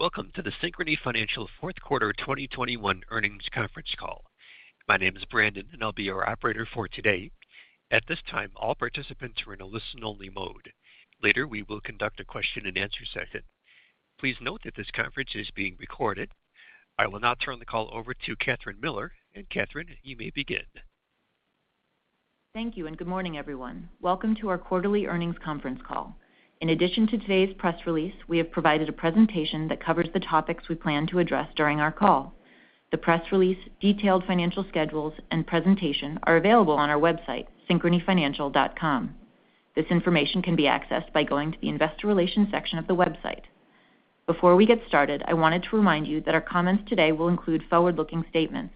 Welcome to the Synchrony Financial Fourth Quarter 2021 Earnings Conference Call. My name is Brandon, and I'll be your operator for today. At this time, all participants are in a listen-only mode. Later, we will conduct a question-and-answer session. Please note that this conference is being recorded. I will now turn the call over to Kathryn Miller. Kathryn, you may begin. Thank you, and good morning, everyone. Welcome to our quarterly earnings conference call. In addition to today's press release, we have provided a presentation that covers the topics we plan to address during our call. The press release, detailed financial schedules, and presentation are available on our website, synchronyfinancial.com. This information can be accessed by going to the Investor Relations section of the website. Before we get started, I wanted to remind you that our comments today will include forward-looking statements.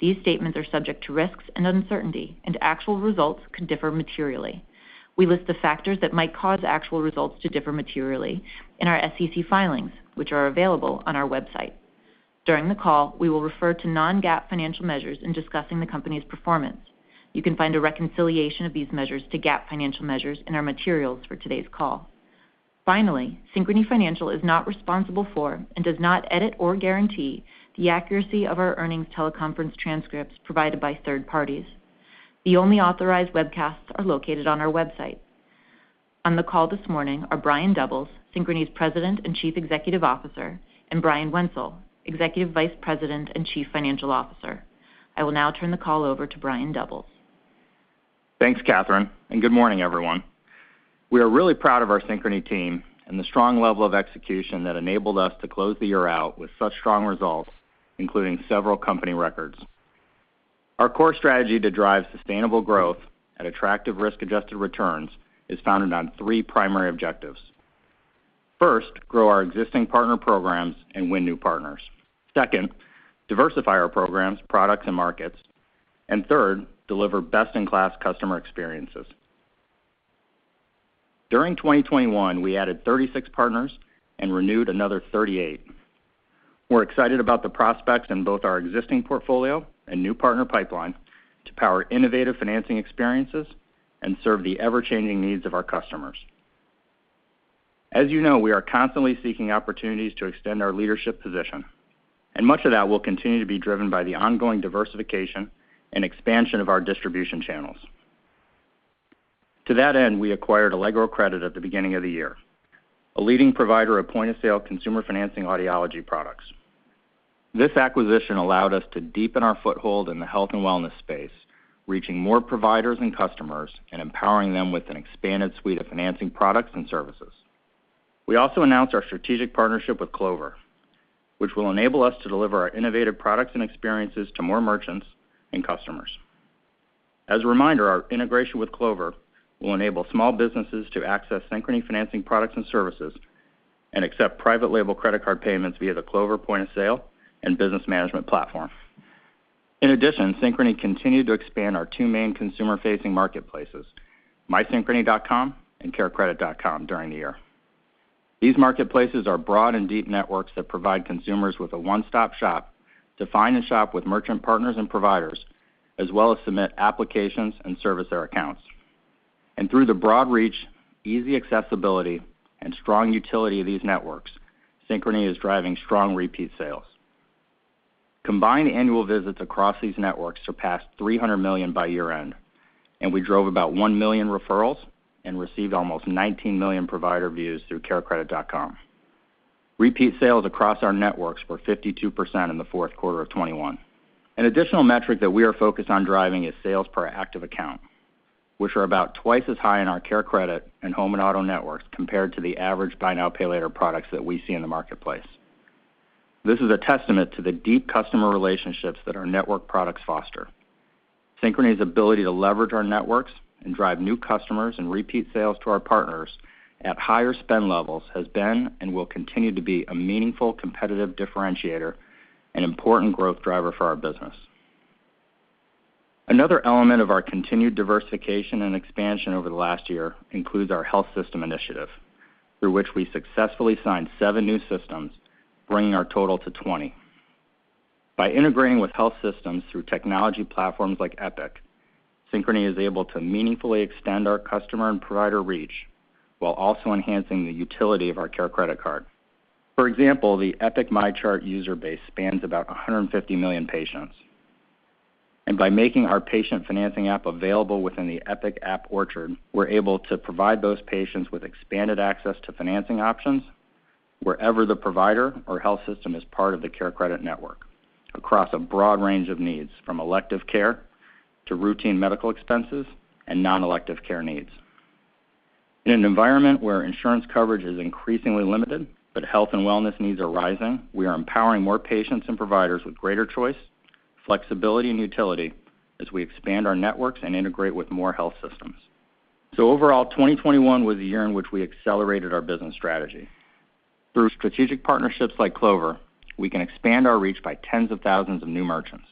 These statements are subject to risks and uncertainty, and actual results could differ materially. We list the factors that might cause actual results to differ materially in our SEC filings, which are available on our website. During the call, we will refer to non-GAAP financial measures in discussing the company's performance. You can find a reconciliation of these measures to GAAP financial measures in our materials for today's call. Finally, Synchrony Financial is not responsible for and does not edit or guarantee the accuracy of our earnings teleconference transcripts provided by third parties. The only authorized webcasts are located on our website. On the call this morning are Brian Doubles, Synchrony's President and Chief Executive Officer, and Brian Wenzel, Executive Vice President and Chief Financial Officer. I will now turn the call over to Brian Doubles. Thanks, Katherine, and good morning, everyone. We are really proud of our Synchrony team and the strong level of execution that enabled us to close the year out with such strong results, including several company records. Our core strategy to drive sustainable growth at attractive risk-adjusted returns is founded on three primary objectives. First, grow our existing partner programs and win new partners. Second, diversify our programs, products, and markets. Third, deliver best-in-class customer experiences. During 2021, we added 36 partners and renewed another 38. We're excited about the prospects in both our existing portfolio and new partner pipeline to power innovative financing experiences and serve the ever-changing needs of our customers. As you know, we are constantly seeking opportunities to extend our leadership position, and much of that will continue to be driven by the ongoing diversification and expansion of our distribution channels. To that end, we acquired Allegro Credit at the beginning of the year, a leading provider of point-of-sale consumer financing for audiology products. This acquisition allowed us to deepen our foothold in the health and wellness space, reaching more providers and customers and empowering them with an expanded suite of financing products and services. We also announced our strategic partnership with Clover, which will enable us to deliver our innovative products and experiences to more merchants and customers. As a reminder, our integration with Clover will enable small businesses to access Synchrony financing products and services and accept private label credit card payments via the Clover point-of-sale and business management platform. In addition, Synchrony continued to expand our two main consumer-facing marketplaces, mysynchrony.com and carecredit.com, during the year. These marketplaces are broad and deep networks that provide consumers with a one-stop-shop to find and shop with merchant partners and providers, as well as submit applications and service their accounts. Through the broad reach, easy accessibility, and strong utility of these networks, Synchrony is driving strong repeat sales. Combined annual visits across these networks surpassed 300 million by year-end, and we drove about 1 million referrals and received almost 19 million provider views through carecredit.com. Repeat sales across our networks were 52% in the fourth quarter of 2021. An additional metric that we are focused on driving is sales per active account, which are about twice as high in our CareCredit and Home and Auto networks compared to the average buy now, pay later products that we see in the marketplace. This is a testament to the deep customer relationships that our network products foster. Synchrony's ability to leverage our networks and drive new customers and repeat sales to our partners at higher spend levels has been and will continue to be a meaningful competitive differentiator and important growth driver for our business. Another element of our continued diversification and expansion over the last year includes our health system initiative, through which we successfully signed seven new systems, bringing our total to 20. By integrating with health systems through technology platforms like Epic, Synchrony is able to meaningfully extend our customer and provider reach while also enhancing the utility of our CareCredit card. For example, the Epic MyChart user base spans about 150 million patients. By making our patient financing app available within the Epic App Orchard, we're able to provide those patients with expanded access to financing options wherever the provider or health system is part of the CareCredit network across a broad range of needs from elective care to routine medical expenses and non-elective care needs. In an environment where insurance coverage is increasingly limited, but health and wellness needs are rising, we are empowering more patients and providers with greater choice, flexibility, and utility as we expand our networks and integrate with more health systems. Overall, 2021 was a year in which we accelerated our business strategy. Through strategic partnerships like Clover, we can expand our reach by tens of thousands of new merchants.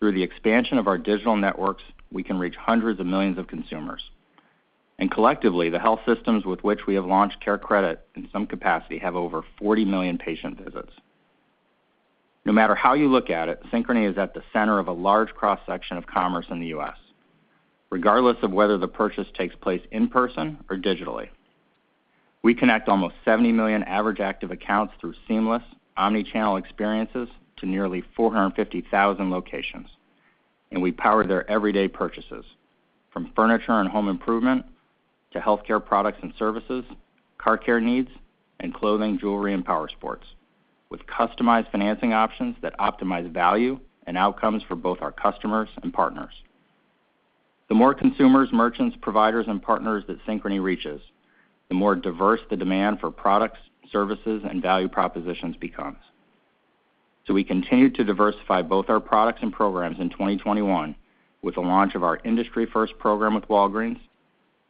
Through the expansion of our digital networks, we can reach hundreds of millions of consumers. Collectively, the health systems with which we have launched CareCredit in some capacity have over 40 million patient visits. No matter how you look at it, Synchrony is at the center of a large cross-section of commerce in the U.S., regardless of whether the purchase takes place in person or digitally. We connect almost 70 million average active accounts through seamless omni-channel experiences to nearly 450,000 locations, and we power their everyday purchases from furniture and home improvement to healthcare products and services, car care needs, and clothing, jewelry, and power sports, with customized financing options that optimize value and outcomes for both our customers and partners. The more consumers, merchants, providers and partners that Synchrony reaches, the more diverse the demand for products, services and value propositions becomes. We continue to diversify both our products and programs in 2021 with the launch of our industry-first program with Walgreens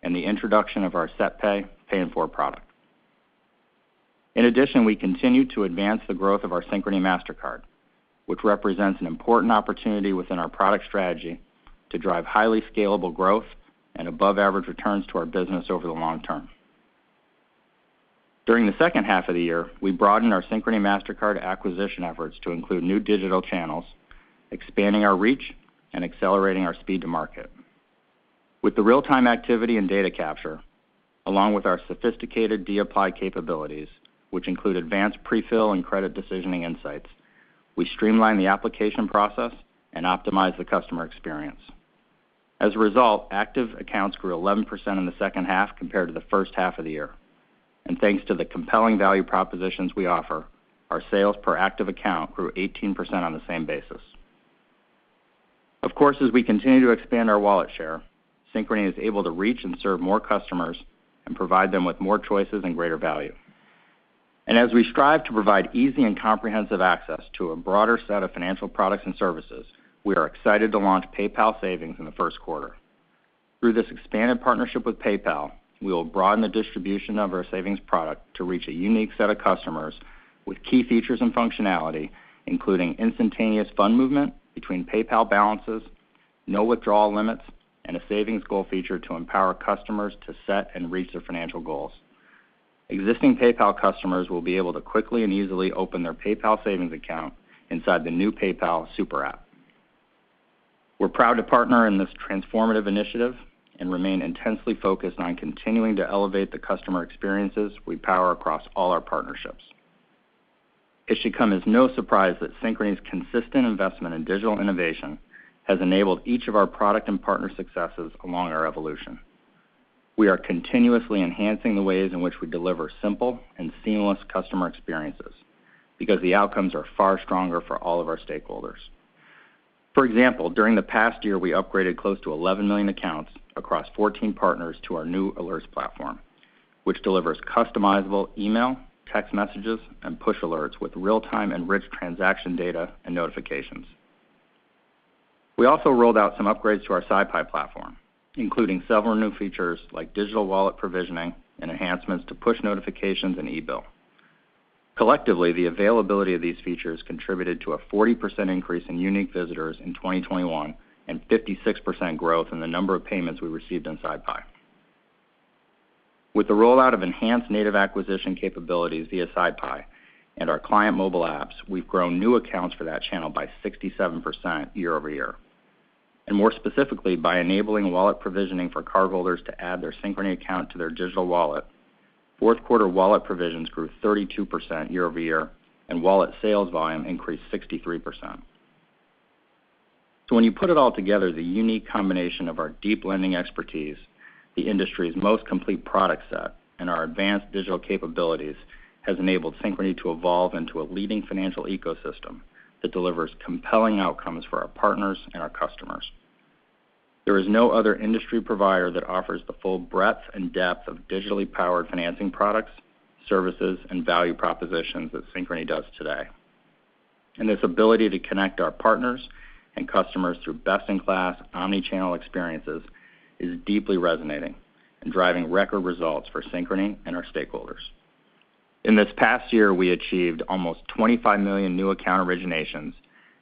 and the introduction of our SetPay Pay in 4 product. In addition, we continue to advance the growth of our Synchrony Mastercard, which represents an important opportunity within our product strategy to drive highly scalable growth and above average returns to our business over the long term. During the second half of the year, we broadened our Synchrony Mastercard acquisition efforts to include new digital channels, expanding our reach and accelerating our speed to market. With the real-time activity and data capture, along with our sophisticated dApply capabilities, which include advanced pre-fill and credit decisioning insights, we streamline the application process and optimize the customer experience. As a result, active accounts grew 11% in the second half compared to the first half of the year. Thanks to the compelling value propositions we offer, our sales per active account grew 18% on the same basis. Of course, as we continue to expand our wallet share, Synchrony is able to reach and serve more customers and provide them with more choices and greater value. As we strive to provide easy and comprehensive access to a broader set of financial products and services, we are excited to launch PayPal Savings in the first quarter. Through this expanded partnership with PayPal, we will broaden the distribution of our savings product to reach a unique set of customers with key features and functionality, including instantaneous fund movement between PayPal balances, no withdrawal limits, and a savings goal feature to empower customers to set and reach their financial goals. Existing PayPal customers will be able to quickly and easily open their PayPal Savings account inside the new PayPal super app. We're proud to partner in this transformative initiative and remain intensely focused on continuing to elevate the customer experiences we power across all our partnerships. It should come as no surprise that Synchrony's consistent investment in digital innovation has enabled each of our product and partner successes along our evolution. We are continuously enhancing the ways in which we deliver simple and seamless customer experiences because the outcomes are far stronger for all of our stakeholders. For example, during the past year, we upgraded close to 11 million accounts across 14 partners to our new alerts platform, which delivers customizable email, text messages, and push alerts with real-time enriched transaction data and notifications. We also rolled out some upgrades to our SyPi platform, including several new features like digital wallet provisioning and enhancements to push notifications and eBill. Collectively, the availability of these features contributed to a 40% increase in unique visitors in 2021 and 56% growth in the number of payments we received in SyPi. With the rollout of enhanced native acquisition capabilities via SyPi and our client mobile apps, we've grown new accounts for that channel by 67% year-over-year. More specifically, by enabling wallet provisioning for cardholders to add their Synchrony account to their digital wallet, fourth quarter wallet provisions grew 32% year-over-year, and wallet sales volume increased 63%. When you put it all together, the unique combination of our deep lending expertise, the industry's most complete product set, and our advanced digital capabilities has enabled Synchrony to evolve into a leading financial ecosystem that delivers compelling outcomes for our partners and our customers. There is no other industry provider that offers the full breadth and depth of digitally powered financing products, services, and value propositions that Synchrony does today. This ability to connect our partners and customers through best-in-class omni-channel experiences is deeply resonating and driving record results for Synchrony and our stakeholders. In this past year, we achieved almost 25 million new account originations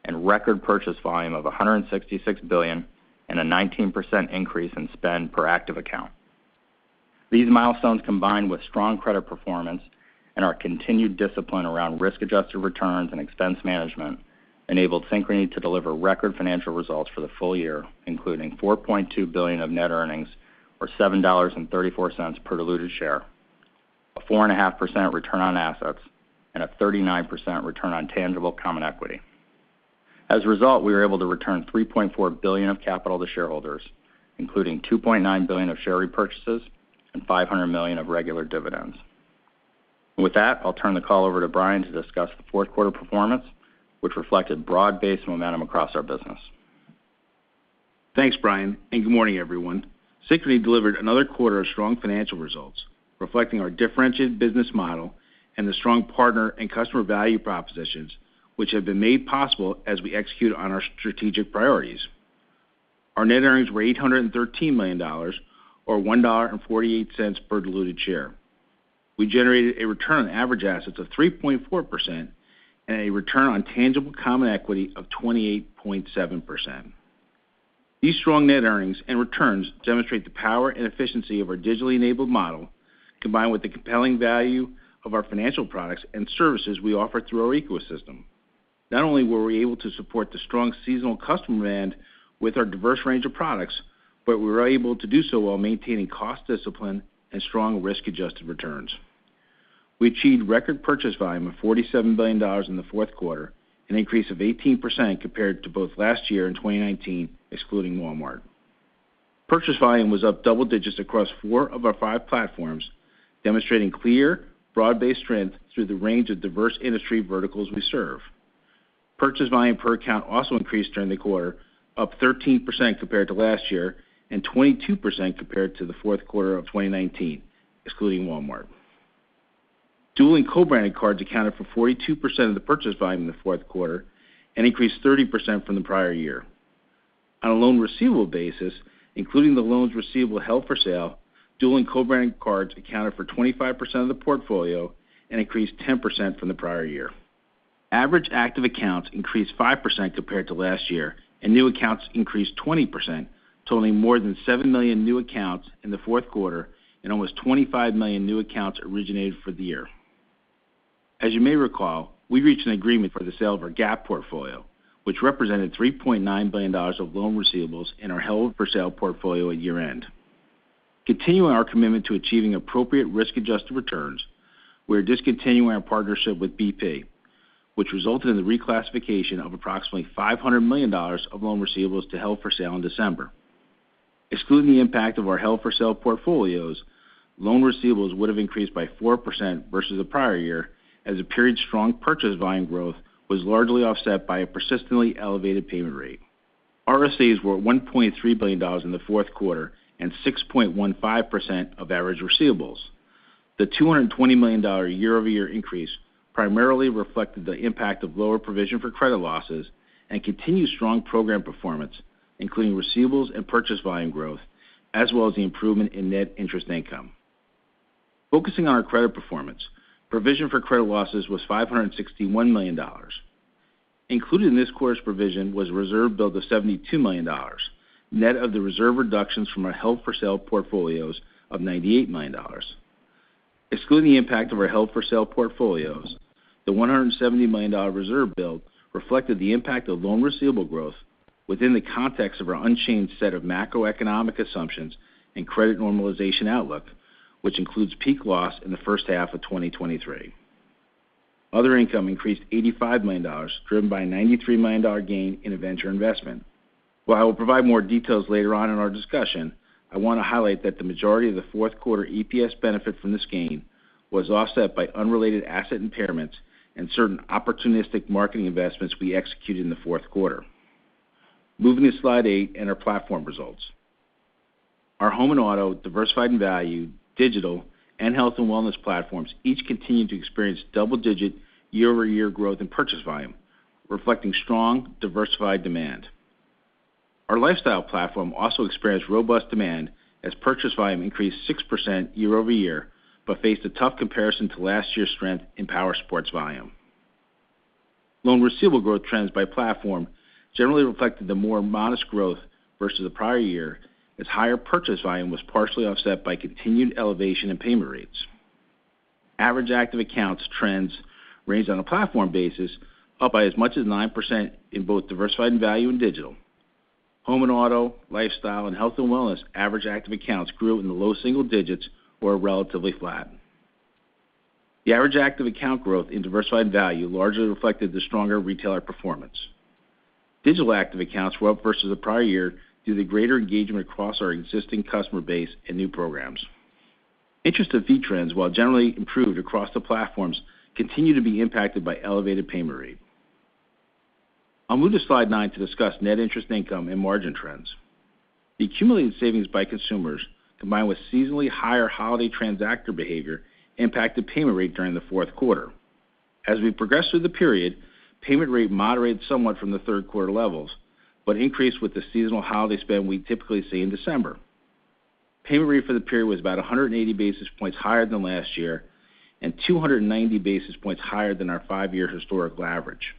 and record purchase volume of $166 billion and a 19% increase in spend per active account. These milestones, combined with strong credit performance and our continued discipline around risk-adjusted returns and expense management, enabled Synchrony to deliver record financial results for the full year, including $4.2 billion of net earnings, or $7.34 per diluted share, a 4.5% return on assets, and a 39% return on tangible common equity. As a result, we were able to return $3.4 billion of capital to shareholders, including $2.9 billion of share repurchases and $500 million of regular dividends. With that, I'll turn the call over to Brian to discuss the fourth quarter performance, which reflected broad-based momentum across our business. Thanks, Brian, and good morning, everyone. Synchrony delivered another quarter of strong financial results, reflecting our differentiated business model and the strong partner and customer value propositions, which have been made possible as we execute on our strategic priorities. Our net earnings were $813 million, or $1.48 per diluted share. We generated a return on average assets of 3.4% and a return on tangible common equity of 28.7%. These strong net earnings and returns demonstrate the power and efficiency of our digitally enabled model, combined with the compelling value of our financial products and services we offer through our ecosystem. Not only were we able to support the strong seasonal customer demand with our diverse range of products, but we were able to do so while maintaining cost discipline and strong risk-adjusted returns. We achieved record purchase volume of $47 billion in the fourth quarter, an increase of 18% compared to both last year and 2019, excluding Walmart. Purchase volume was up double digits across four of our five platforms, demonstrating clear broad-based strength through the range of diverse industry verticals we serve. Purchase volume per account also increased during the quarter, up 13% compared to last year and 22% compared to the fourth quarter of 2019, excluding Walmart. Dual and co-branded cards accounted for 42% of the purchase volume in the fourth quarter and increased 30% from the prior year. On a loan receivable basis, including the loans receivable held for sale, dual and co-branded cards accounted for 25% of the portfolio and increased 10% from the prior year. Average active accounts increased 5% compared to last year, and new accounts increased 20%, totaling more than 7 million new accounts in the fourth quarter and almost 25 million new accounts originated for the year. As you may recall, we reached an agreement for the sale of our Gap portfolio, which represented $3.9 billion of loan receivables in our held for sale portfolio at year-end. Continuing our commitment to achieving appropriate risk-adjusted returns, we are discontinuing our partnership with BP, which resulted in the reclassification of approximately $500 million of loan receivables to held for sale in December. Excluding the impact of our held for sale portfolios, loan receivables would have increased by 4% versus the prior year as the period's strong purchase volume growth was largely offset by a persistently elevated payment rate. RSAs were $1.3 billion in the fourth quarter and 6.15% of average receivables. The $220 million year-over-year increase primarily reflected the impact of lower provision for credit losses and continued strong program performance, including receivables and purchase volume growth, as well as the improvement in net interest income. Focusing on our credit performance, provision for credit losses was $561 million. Included in this quarter's provision was a reserve build of $72 million, net of the reserve reductions from our held for sale portfolios of $98 million. Excluding the impact of our held for sale portfolios, the $170 million reserve build reflected the impact of loan receivable growth within the context of our unchanged set of macroeconomic assumptions and credit normalization outlook, which includes peak loss in the first half of 2023. Other income increased $85 million, driven by a $93 million gain in a venture investment. While I will provide more details later on in our discussion, I want to highlight that the majority of the fourth quarter EPS benefit from this gain was offset by unrelated asset impairments and certain opportunistic marketing investments we executed in the fourth quarter. Moving to slide eight and our platform results. Our Home and Auto, Diversified & Value, digital, and health and wellness platforms each continued to experience double-digit year-over-year growth in purchase volume, reflecting strong, diversified demand. Our Lifestyle platform also experienced robust demand as purchase volume increased 6% year-over-year but faced a tough comparison to last year's strength in power sports volume. Loan receivable growth trends by platform generally reflected the more modest growth versus the prior year, as higher purchase volume was partially offset by continued elevation in payment rates. Average active accounts trends ranged on a platform basis up by as much as 9% in both Diversified & Value and Digital. Home and Auto, Lifestyle, and Health and Wellness average active accounts grew in the low single digits or were relatively flat. The average active account growth in Diversified & Value largely reflected the stronger retailer performance. Digital active accounts were up versus the prior year due to greater engagement across our existing customer base and new programs. Interest and fee trends, while generally improved across the platforms, continue to be impacted by elevated payment rate. I'll move to slide nine to discuss net interest income and margin trends. The accumulated savings by consumers, combined with seasonally higher holiday transactor behavior, impacted payment rate during the fourth quarter. As we progressed through the period, payment rate moderated somewhat from the third quarter levels but increased with the seasonal holiday spend we typically see in December. Payment rate for the period was about 180 basis points higher than last year and 290 basis points higher than our five-year historical average.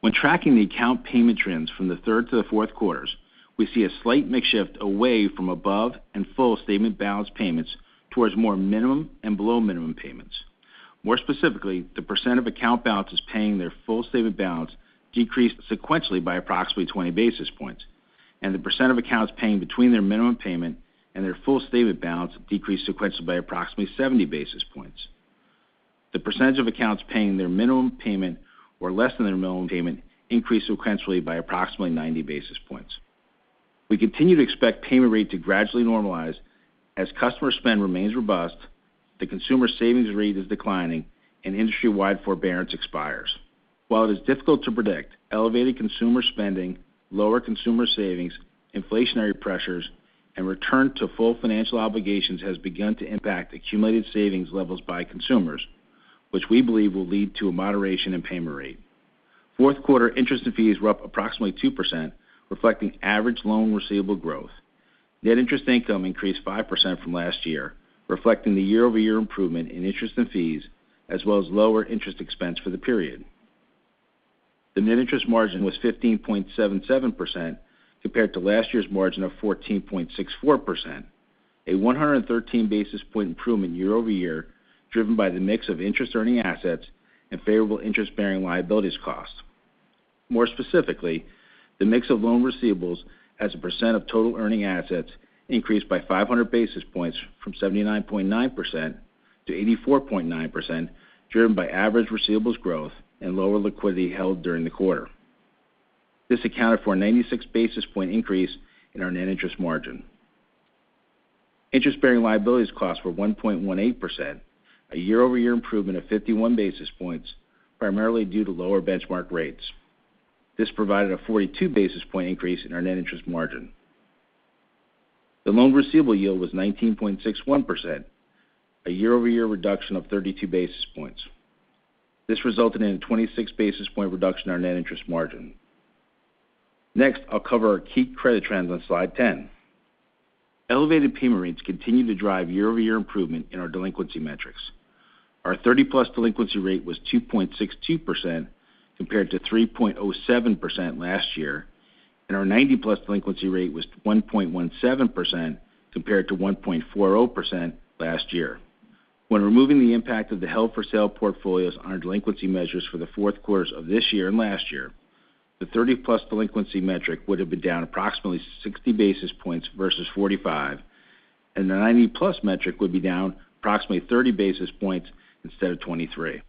When tracking the account payment trends from the third to the fourth quarters, we see a slight mix shift away from above and full statement balance payments towards more minimum and below minimum payments. More specifically, the percent of account balances paying their full statement balance decreased sequentially by approximately 20 basis points, and the percent of accounts paying between their minimum payment and their full statement balance decreased sequentially by approximately 70 basis points. The percentage of accounts paying their minimum payment or less than their minimum payment increased sequentially by approximately 90 basis points. We continue to expect payment rate to gradually normalize as customer spend remains robust, the consumer savings rate is declining, and industry-wide forbearance expires. While it is difficult to predict, elevated consumer spending, lower consumer savings, inflationary pressures, and return to full financial obligations has begun to impact accumulated savings levels by consumers, which we believe will lead to a moderation in payment rate. Fourth quarter interest and fees were up approximately 2%, reflecting average loan receivable growth. Net interest income increased 5% from last year, reflecting the year-over-year improvement in interest and fees, as well as lower interest expense for the period. The net interest margin was 15.77% compared to last year's margin of 14.64%, a 113 basis point improvement year-over-year driven by the mix of interest-earning assets and favorable interest-bearing liabilities costs. More specifically, the mix of loan receivables as a percent of total earning assets increased by 500 basis points from 79.9%-84.9%, driven by average receivables growth and lower liquidity held during the quarter. This accounted for a 96 basis point increase in our net interest margin. Interest-bearing liabilities costs were 1.18%, a year-over-year improvement of 51 basis points, primarily due to lower benchmark rates. This provided a 42 basis point increase in our net interest margin. The loan receivable yield was 19.61%, a year-over-year reduction of 32 basis points. This resulted in a 26 basis point reduction in our net interest margin. Next, I'll cover our key credit trends on slide 10. Elevated payment rates continue to drive year-over-year improvement in our delinquency metrics. Our 30-plus delinquency rate was 2.62% compared to 3.07% last year, and our 90-plus delinquency rate was 1.17% compared to 1.40% last year. When removing the impact of the held-for-sale portfolios on our delinquency measures for the fourth quarters of this year and last year, the 30-plus delinquency metric would have been down approximately 60 basis points versus 45, and the 90-plus metric would be down approximately 30 basis points instead of 23.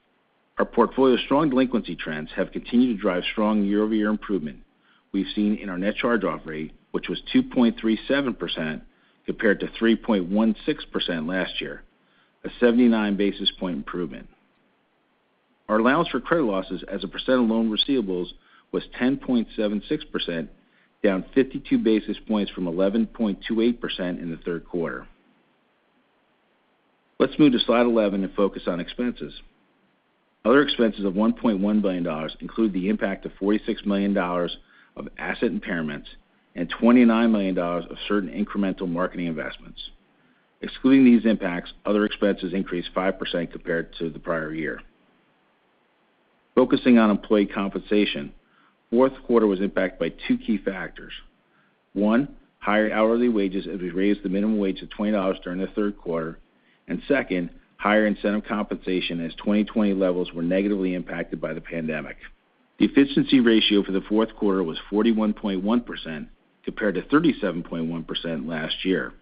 Our portfolio's strong delinquency trends have continued to drive strong year-over-year improvement we've seen in our net charge-off rate, which was 2.37% compared to 3.16% last year, a 79 basis point improvement. Our allowance for credit losses as a percent of loan receivables was 10.76%, down 52 basis points from 11.28% in the third quarter. Let's move to slide 11 and focus on expenses. Other expenses of $1.1 billion include the impact of $46 million of asset impairments and $29 million of certain incremental marketing investments. Excluding these impacts, other expenses increased 5% compared to the prior year. Focusing on employee compensation, fourth quarter was impacted by two key factors. One, higher hourly wages as we raised the minimum wage to $20 during the third quarter, and second, higher incentive compensation as 2020 levels were negatively impacted by the pandemic. The efficiency ratio for the fourth quarter was 41.1% compared to 37.1% last year.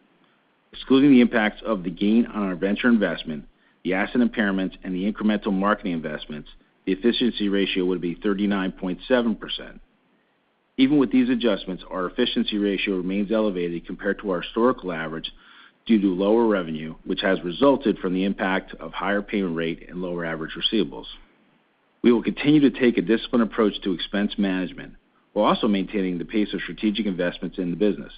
Excluding the impacts of the gain on our venture investment, the asset impairments, and the incremental marketing investments, the efficiency ratio would be 39.7%. Even with these adjustments, our efficiency ratio remains elevated compared to our historical average due to lower revenue, which has resulted from the impact of higher payment rate and lower average receivables. We will continue to take a disciplined approach to expense management while also maintaining the pace of strategic investments in the business.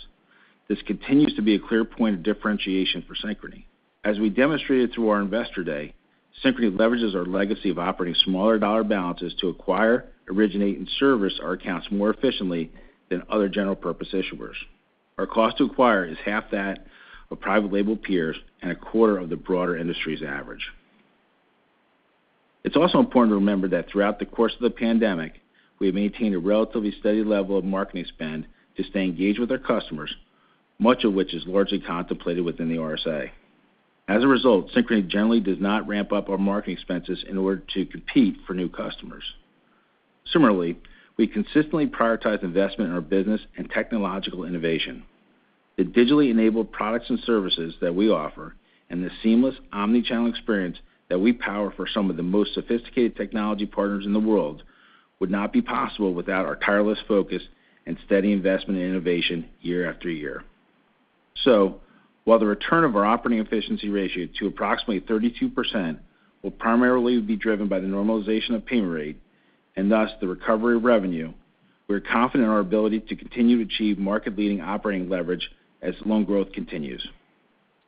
This continues to be a clear point of differentiation for Synchrony. As we demonstrated through our Investor Day, Synchrony leverages our legacy of operating smaller dollar balances to acquire, originate, and service our accounts more efficiently than other general purpose issuers. Our cost to acquire is half that of private label peers and a quarter of the broader industry's average. It's also important to remember that throughout the course of the pandemic, we have maintained a relatively steady level of marketing spend to stay engaged with our customers, much of which is largely contemplated within the RSA. As a result, Synchrony generally does not ramp up our marketing expenses in order to compete for new customers. Similarly, we consistently prioritize investment in our business and technological innovation. The digitally enabled products and services that we offer and the seamless omni-channel experience that we power for some of the most sophisticated technology partners in the world would not be possible without our tireless focus and steady investment in innovation year after year. While the return of our operating efficiency ratio to approximately 32% will primarily be driven by the normalization of payment rate and thus the recovery of revenue, we're confident in our ability to continue to achieve market-leading operating leverage as loan growth continues.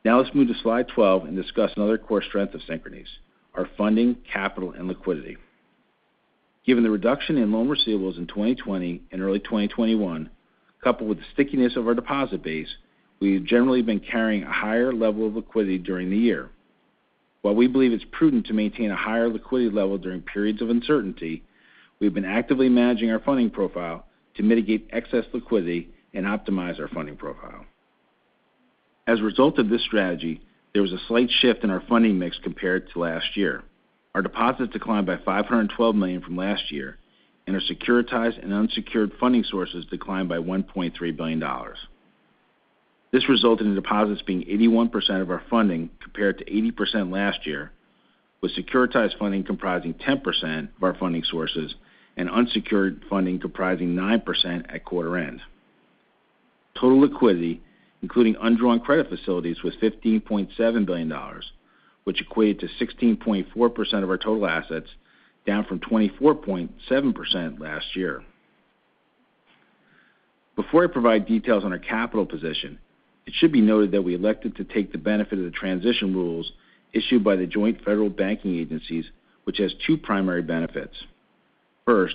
Now let's move to slide 12 and discuss another core strength of Synchrony's, our funding, capital, and liquidity. Given the reduction in loan receivables in 2020 and early 2021, coupled with the stickiness of our deposit base, we have generally been carrying a higher level of liquidity during the year. While we believe it's prudent to maintain a higher liquidity level during periods of uncertainty, we've been actively managing our funding profile to mitigate excess liquidity and optimize our funding profile. As a result of this strategy, there was a slight shift in our funding mix compared to last year. Our deposits declined by $512 million from last year, and our securitized and unsecured funding sources declined by $1.3 billion. This resulted in deposits being 81% of our funding compared to 80% last year, with securitized funding comprising 10% of our funding sources and unsecured funding comprising 9% at quarter end. Total liquidity, including undrawn credit facilities, was $15.7 billion, which equated to 16.4% of our total assets, down from 24.7% last year. Before I provide details on our capital position, it should be noted that we elected to take the benefit of the transition rules issued by the joint Federal banking agencies, which has two primary benefits. First,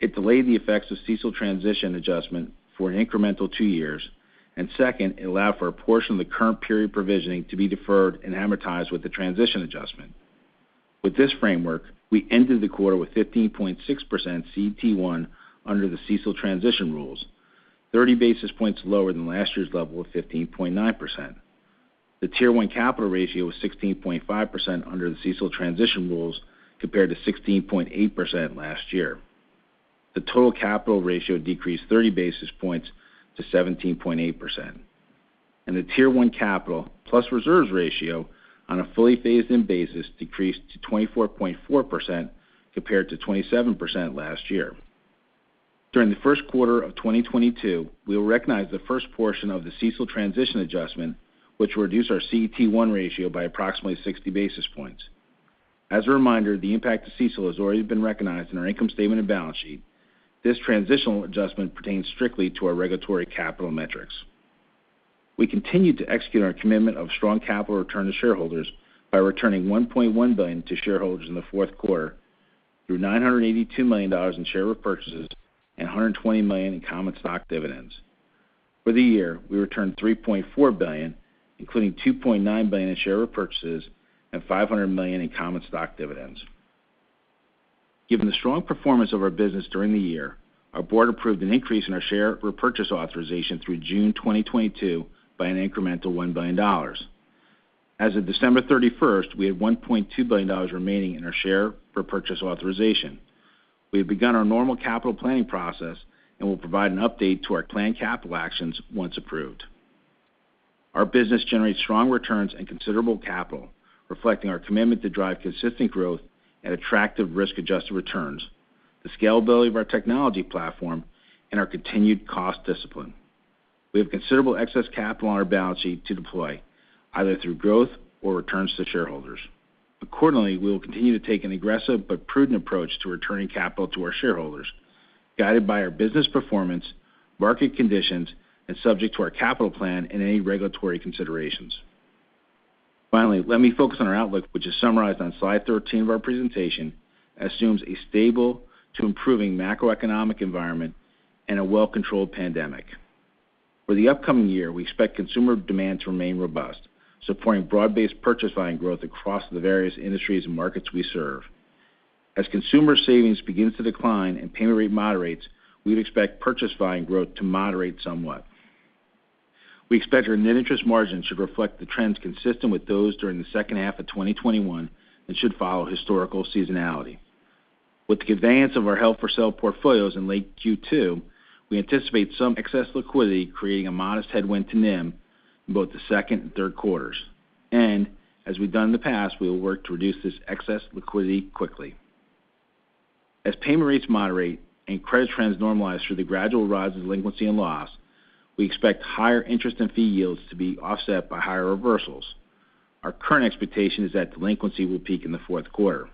it delayed the effects of CECL transition adjustment for an incremental two years. Second, it allowed for a portion of the current period provisioning to be deferred and amortized with the transition adjustment. With this framework, we ended the quarter with 15.6% CET1 under the CECL transition rules, 30 basis points lower than last year's level of 15.9%. The Tier 1 capital ratio was 16.5% under the CECL transition rules compared to 16.8% last year. The total capital ratio decreased 30 basis points to 17.8%. The Tier 1 capital plus reserves ratio on a fully phased-in basis decreased to 24.4% compared to 27% last year. During the first quarter of 2022, we will recognize the first portion of the CECL transition adjustment, which will reduce our CET1 ratio by approximately 60 basis points. As a reminder, the impact of CECL has already been recognized in our income statement and balance sheet. This transitional adjustment pertains strictly to our regulatory capital metrics. We continue to execute our commitment of strong capital return to shareholders by returning $1.1 billion to shareholders in the fourth quarter through $982 million in share repurchases and $120 million in common stock dividends. For the year, we returned $3.4 billion, including $2.9 billion in share repurchases and $500 million in common stock dividends. Given the strong performance of our business during the year, our board approved an increase in our share repurchase authorization through June 2022 by an incremental $1 billion. As of December 31st, we had $1.2 billion remaining in our share repurchase authorization. We have begun our normal capital planning process and will provide an update to our planned capital actions once approved. Our business generates strong returns and considerable capital, reflecting our commitment to drive consistent growth at attractive risk-adjusted returns, the scalability of our technology platform, and our continued cost discipline. We have considerable excess capital on our balance sheet to deploy, either through growth or returns to shareholders. Accordingly, we will continue to take an aggressive but prudent approach to returning capital to our shareholders, guided by our business performance, market conditions, and subject to our capital plan and any regulatory considerations. Finally, let me focus on our outlook, which is summarized on slide 13 of our presentation. It assumes a stable to improving macroeconomic environment and a well-controlled pandemic. For the upcoming year, we expect consumer demand to remain robust, supporting broad-based purchase volume growth across the various industries and markets we serve. As consumer savings begins to decline and payment rate moderates, we'd expect purchase volume growth to moderate somewhat. We expect our net interest margin should reflect the trends consistent with those during the second half of 2021 and should follow historical seasonality. With the conveyance of our held-for-sale portfolios in late Q2, we anticipate some excess liquidity creating a modest headwind to NIM in both the second and third quarters. As we've done in the past, we will work to reduce this excess liquidity quickly. As payment rates moderate and credit trends normalize through the gradual rise of delinquency and loss, we expect higher interest and fee yields to be offset by higher reversals. Our current expectation is that delinquency will peak in the fourth quarter.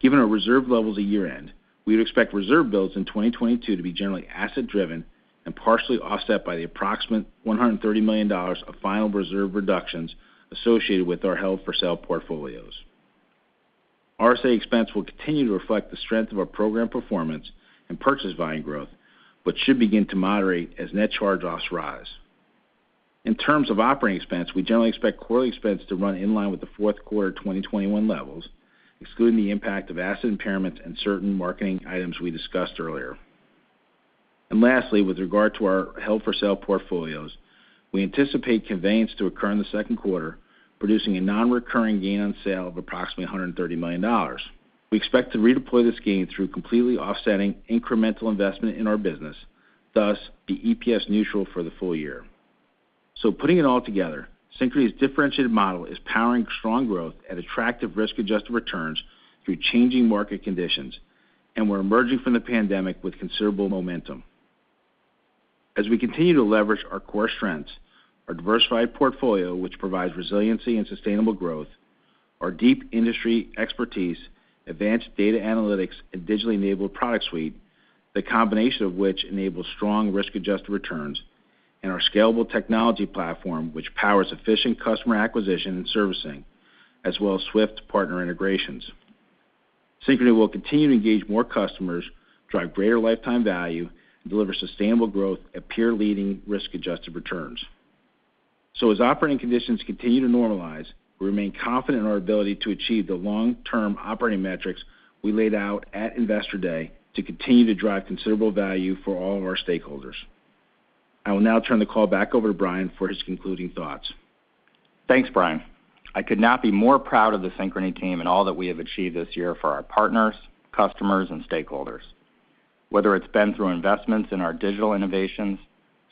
Given our reserve levels at year-end, we would expect reserve builds in 2022 to be generally asset-driven and partially offset by the approximate $130 million of final reserve reductions associated with our held-for-sale portfolios. RSA expense will continue to reflect the strength of our program performance and purchase volume growth, but should begin to moderate as net charge-offs rise. In terms of operating expense, we generally expect quarterly expense to run in line with the fourth quarter 2021 levels, excluding the impact of asset impairment and certain marketing items we discussed earlier. Lastly, with regard to our held-for-sale portfolios, we anticipate conveyance to occur in the second quarter, producing a nonrecurring gain on sale of approximately $130 million. We expect to redeploy this gain through completely offsetting incremental investment in our business, thus being EPS neutral for the full year. Putting it all together, Synchrony's differentiated model is powering strong growth at attractive risk-adjusted returns through changing market conditions, and we're emerging from the pandemic with considerable momentum. As we continue to leverage our core strengths, our diversified portfolio, which provides resiliency and sustainable growth, our deep industry expertise, advanced data analytics, and digitally enabled product suite, the combination of which enables strong risk-adjusted returns, and our scalable technology platform, which powers efficient customer acquisition and servicing, as well as swift partner integrations. Synchrony will continue to engage more customers, drive greater lifetime value, and deliver sustainable growth at peer-leading risk-adjusted returns. As operating conditions continue to normalize, we remain confident in our ability to achieve the long-term operating metrics we laid out at Investor Day to continue to drive considerable value for all of our stakeholders. I will now turn the call back over to Brian for his concluding thoughts. Thanks, Brian. I could not be more proud of the Synchrony team and all that we have achieved this year for our partners, customers, and stakeholders. Whether it's been through investments in our digital innovations,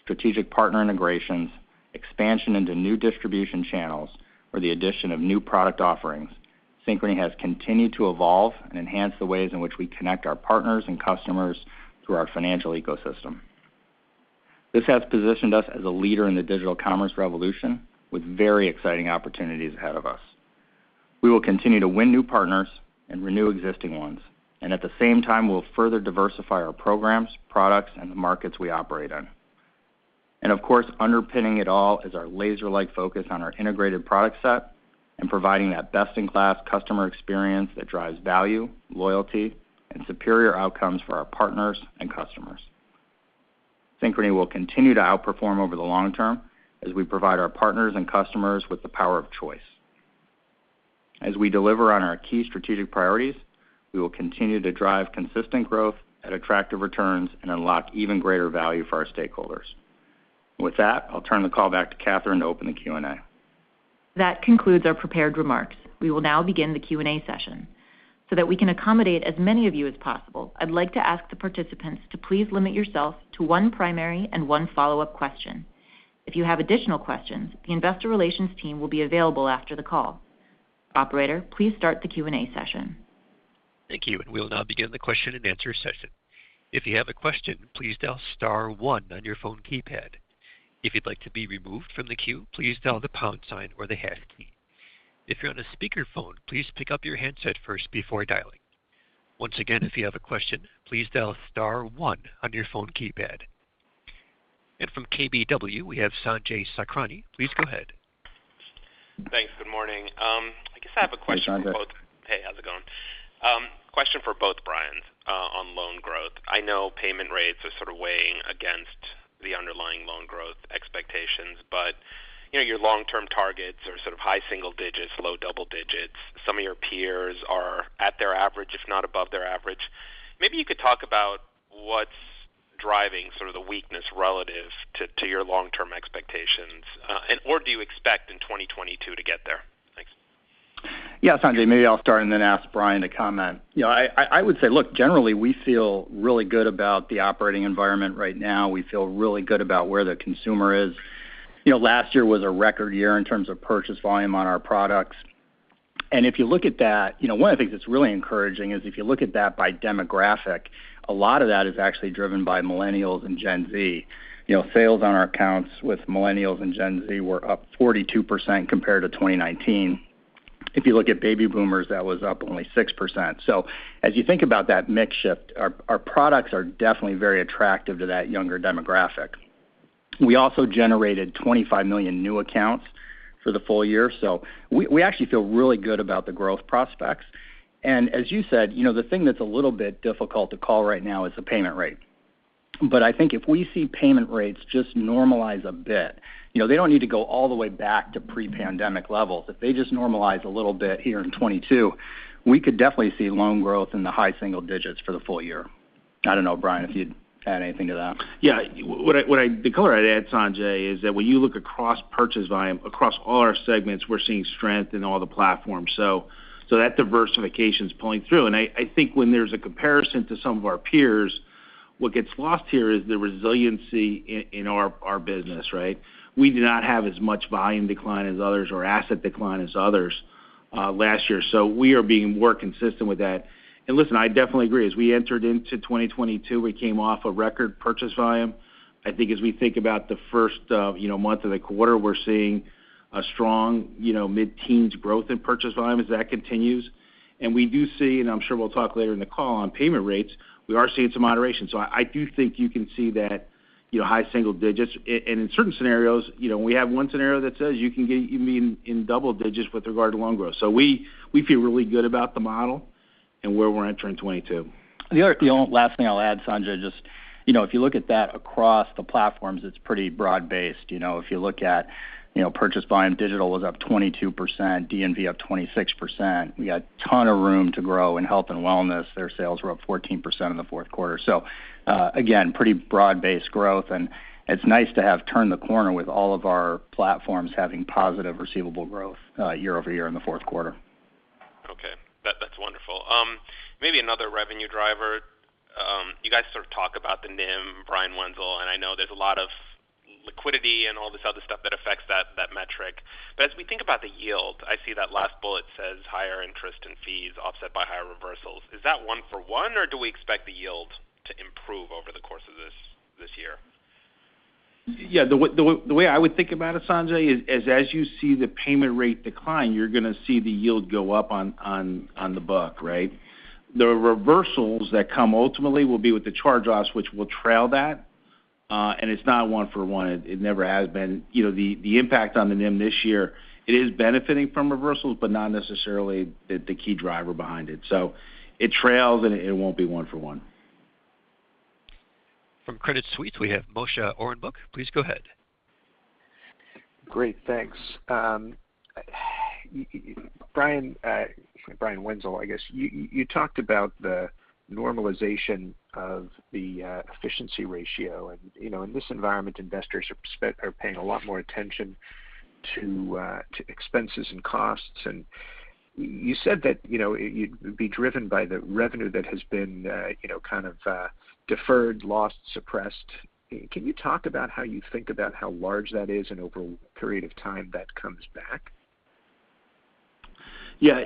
strategic partner integrations, expansion into new distribution channels, or the addition of new product offerings, Synchrony has continued to evolve and enhance the ways in which we connect our partners and customers through our financial ecosystem. This has positioned us as a leader in the digital commerce revolution with very exciting opportunities ahead of us. We will continue to win new partners and renew existing ones, and at the same time, we'll further diversify our programs, products, and the markets we operate in. Of course, underpinning it all is our laser-like focus on our integrated product set and providing that best-in-class customer experience that drives value, loyalty, and superior outcomes for our partners and customers. Synchrony will continue to outperform over the long term as we provide our partners and customers with the power of choice. As we deliver on our key strategic priorities, we will continue to drive consistent growth at attractive returns and unlock even greater value for our stakeholders. With that, I'll turn the call back to Kathryn to open the Q&A. That concludes our prepared remarks. We will now begin the Q&A session. That we can accommodate as many of you as possible, I'd like to ask the participants to please limit yourself to one primary and one follow-up question. If you have additional questions, the investor relations team will be available after the call. Operator, please start the Q&A session. Thank you. We'll now begin the question-and-answer session. If you have a question, please dial star one on your phone keypad. If you'd like to be removed from the queue, please dial the pound sign or the hash key. If you're on a speakerphone, please pick up your handset first before dialing. Once again, if you have a question, please dial star one on your phone keypad. From KBW, we have Sanjay Sakhrani. Please go ahead. Thanks. Good morning. I guess I have a question for both- Hey, Sanjay. Hey, how's it going? Question for both Brians on loan growth. I know payment rates are sort of weighing against the underlying loan growth expectations, but you know, your long-term targets are sort of high single digits, low double digits. Some of your peers are at their average, if not above their average. Maybe you could talk about what's driving sort of the weakness relative to your long-term expectations, or do you expect in 2022 to get there? Thanks. Yeah, Sanjay, maybe I'll start and then ask Brian to comment. You know, I would say, look, generally, we feel really good about the operating environment right now. We feel really good about where the consumer is. You know, last year was a record year in terms of purchase volume on our products. If you look at that, you know, one of the things that's really encouraging is if you look at that by demographic, a lot of that is actually driven by Millennials and Gen Z. You know, sales on our accounts with Millennials and Gen Z were up 42% compared to 2019. If you look at Baby Boomers, that was up only 6%. So as you think about that mix shift, our products are definitely very attractive to that younger demographic. We also generated 25 million new accounts for the full year. We actually feel really good about the growth prospects. As you said, you know, the thing that's a little bit difficult to call right now is the payment rate. I think if we see payment rates just normalize a bit. You know, they don't need to go all the way back to pre-pandemic levels. If they just normalize a little bit here in 2022, we could definitely see loan growth in the high single digits for the full year. I don't know, Brian, if you'd add anything to that. Yeah. The color I'd add, Sanjay, is that when you look across purchase volume across all our segments, we're seeing strength in all the platforms. That diversification's pulling through. I think when there's a comparison to some of our peers, what gets lost here is the resiliency in our business, right? We do not have as much volume decline as others or asset decline as others last year. We are being more consistent with that. Listen, I definitely agree. As we entered into 2022, we came off a record purchase volume. I think as we think about the first, you know, month of the quarter, we're seeing a strong, you know, mid-teens growth in purchase volume as that continues. We do see, and I'm sure we'll talk later in the call on payment rates, we are seeing some moderation. I do think you can see that, you know, high single digits%. In certain scenarios, you know, we have one scenario that says you can get even in double digits with regard to loan growth. We feel really good about the model and where we're entering 2022. The only last thing I'll add, Sanjay, just, you know, if you look at that across the platforms, it's pretty broad-based. You know, if you look at, you know, purchase volume, digital was up 22%, D&V up 26%. We got a ton of room to grow in health and wellness. Their sales were up 14% in the fourth quarter. Again, pretty broad-based growth. It's nice to have turned the corner with all of our platforms having positive receivable growth year-over-year in the fourth quarter. That's wonderful. Maybe another revenue driver. You guys sort of talk about the NIM, Brian Wenzel, and I know there's a lot of liquidity and all this other stuff that affects that metric. As we think about the yield, I see that last bullet says higher interest and fees offset by higher reversals. Is that one for one, or do we expect the yield to improve over the course of this year? Yeah. The way I would think about it, Sanjay, is as you see the payment rate decline, you're gonna see the yield go up on the book, right? The reversals that come ultimately will be with the charge-offs, which will trail that, and it's not one for one. It never has been. You know, the impact on the NIM this year, it is benefiting from reversals, but not necessarily the key driver behind it. So it trails, and it won't be one for one. From Credit Suisse, we have Moshe Orenbuch. Please go ahead. Great. Thanks. Brian Wenzel, I guess. You talked about the normalization of the efficiency ratio. You know, in this environment, investors are paying a lot more attention to expenses and costs. You said that, you know, you'd be driven by the revenue that has been, you know, kind of deferred, lost, suppressed. Can you talk about how you think about how large that is and over what period of time that comes back? Yeah.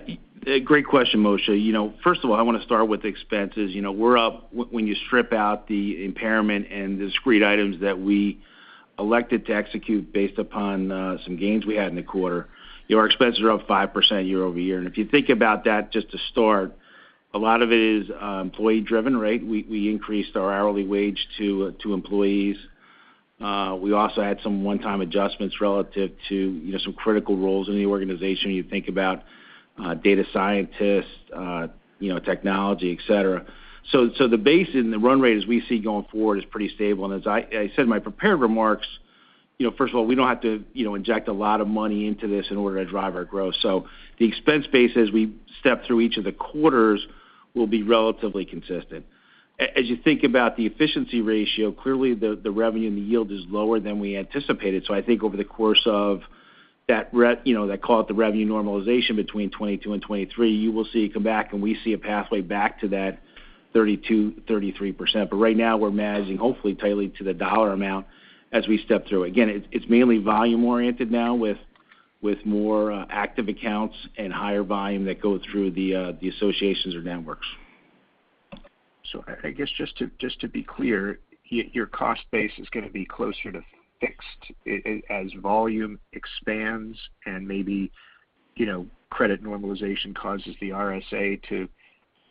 Great question, Moshe. You know, first of all, I want to start with expenses. You know, when you strip out the impairment and the discrete items that we elected to execute based upon some gains we had in the quarter, our expenses are up 5% year-over-year. If you think about that just to start, a lot of it is employee-driven, right? We increased our hourly wage to employees. We also had some one-time adjustments relative to you know, some critical roles in the organization. You think about data scientists, you know, technology, et cetera. So the base and the run rate as we see going forward is pretty stable. As I said in my prepared remarks, you know, first of all, we don't have to, you know, inject a lot of money into this in order to drive our growth. The expense base, as we step through each of the quarters, will be relatively consistent. As you think about the efficiency ratio, clearly the revenue and the yield is lower than we anticipated. I think over the course of that, you know, they call it the revenue normalization between 2022 and 2023, you will see it come back, and we see a pathway back to that 32%-33%. Right now, we're managing hopefully tightly to the dollar amount as we step through. It's mainly volume-oriented now with more active accounts and higher volume that go through the associations or networks. I guess just to be clear, your cost base is gonna be closer to fixed as volume expands and maybe, you know, credit normalization causes the RSA to,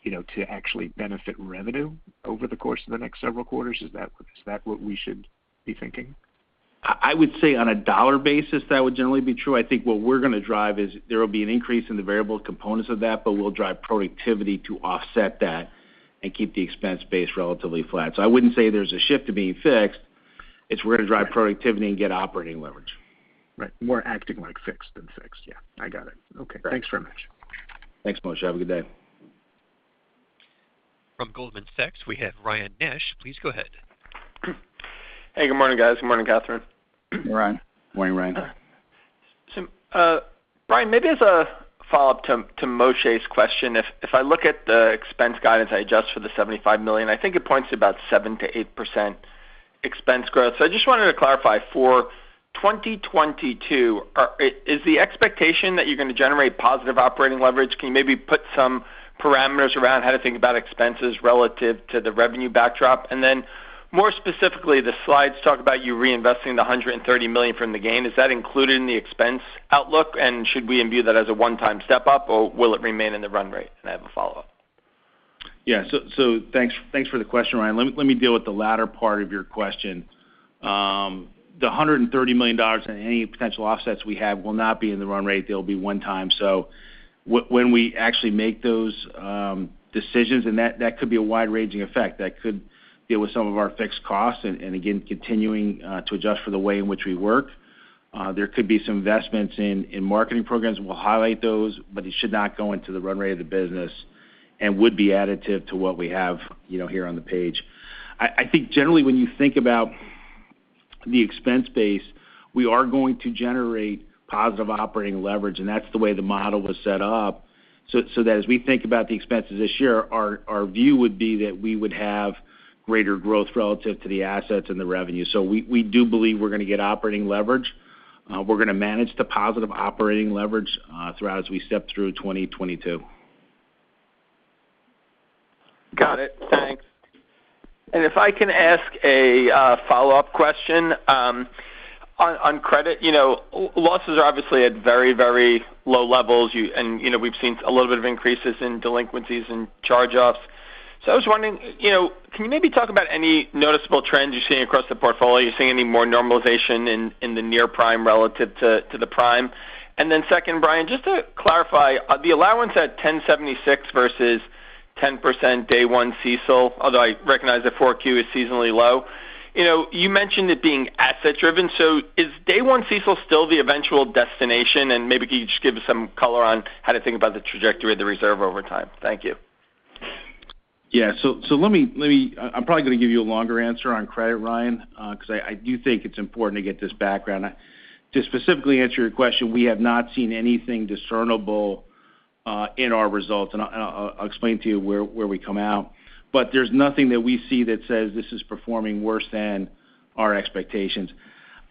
you know, to actually benefit revenue over the course of the next several quarters? Is that what we should be thinking? I would say on a dollar basis, that would generally be true. I think what we're gonna drive is there will be an increase in the variable components of that, but we'll drive productivity to offset that and keep the expense base relatively flat. I wouldn't say there's a shift to being fixed. It's we're gonna drive productivity and get operating leverage. Right. More acting like fixed than fixed. Yeah, I got it. Okay. Right. Thanks very much. Thanks, Moshe. Have a good day. From Goldman Sachs, we have Ryan Nash. Please go ahead. Hey, good morning, guys. Good morning, Kathryn. Morning, Ryan. Morning, Ryan. Brian, maybe as a follow-up to Moshe's question. If I look at the expense guidance, I adjust for the $75 million, I think it points to about 7%-8% expense growth. I just wanted to clarify, for 2022, is the expectation that you're gonna generate positive operating leverage? Can you maybe put some parameters around how to think about expenses relative to the revenue backdrop? And then more specifically, the slides talk about you reinvesting the $130 million from the gain. Is that included in the expense outlook? And should we view that as a one-time step up, or will it remain in the run rate? I have a follow-up. Yeah. Thanks for the question, Ryan. Let me deal with the latter part of your question. The $130 million and any potential offsets we have will not be in the run rate. They'll be one time. When we actually make those decisions, and that could be a wide-ranging effect, that could deal with some of our fixed costs and again continuing to adjust for the way in which we work. There could be some investments in marketing programs, and we'll highlight those, but it should not go into the run rate of the business and would be additive to what we have, you know, here on the page. I think generally when you think about the expense base, we are going to generate positive operating leverage, and that's the way the model was set up. So that as we think about the expenses this year, our view would be that we would have greater growth relative to the assets and the revenue. We do believe we're gonna get operating leverage. We're gonna manage the positive operating leverage throughout as we step through 2022. Got it. Thanks. If I can ask a follow-up question on credit. You know, losses are obviously at very, very low levels. You know, we've seen a little bit of increases in delinquencies and charge-offs. I was wondering, you know, can you maybe talk about any noticeable trends you're seeing across the portfolio? Are you seeing any more normalization in the near prime relative to the prime? Then second, Brian, just to clarify, the allowance at 10.76% versus 10% day one CECL, although I recognize that 4Q is seasonally low. You know, you mentioned it being asset-driven. Is day one CECL still the eventual destination? Maybe can you just give some color on how to think about the trajectory of the reserve over time? Thank you. I'm probably gonna give you a longer answer on credit, Ryan, 'cause I do think it's important to get this background. To specifically answer your question, we have not seen anything discernible in our results, and I'll explain to you where we come out. There's nothing that we see that says this is performing worse than our expectations.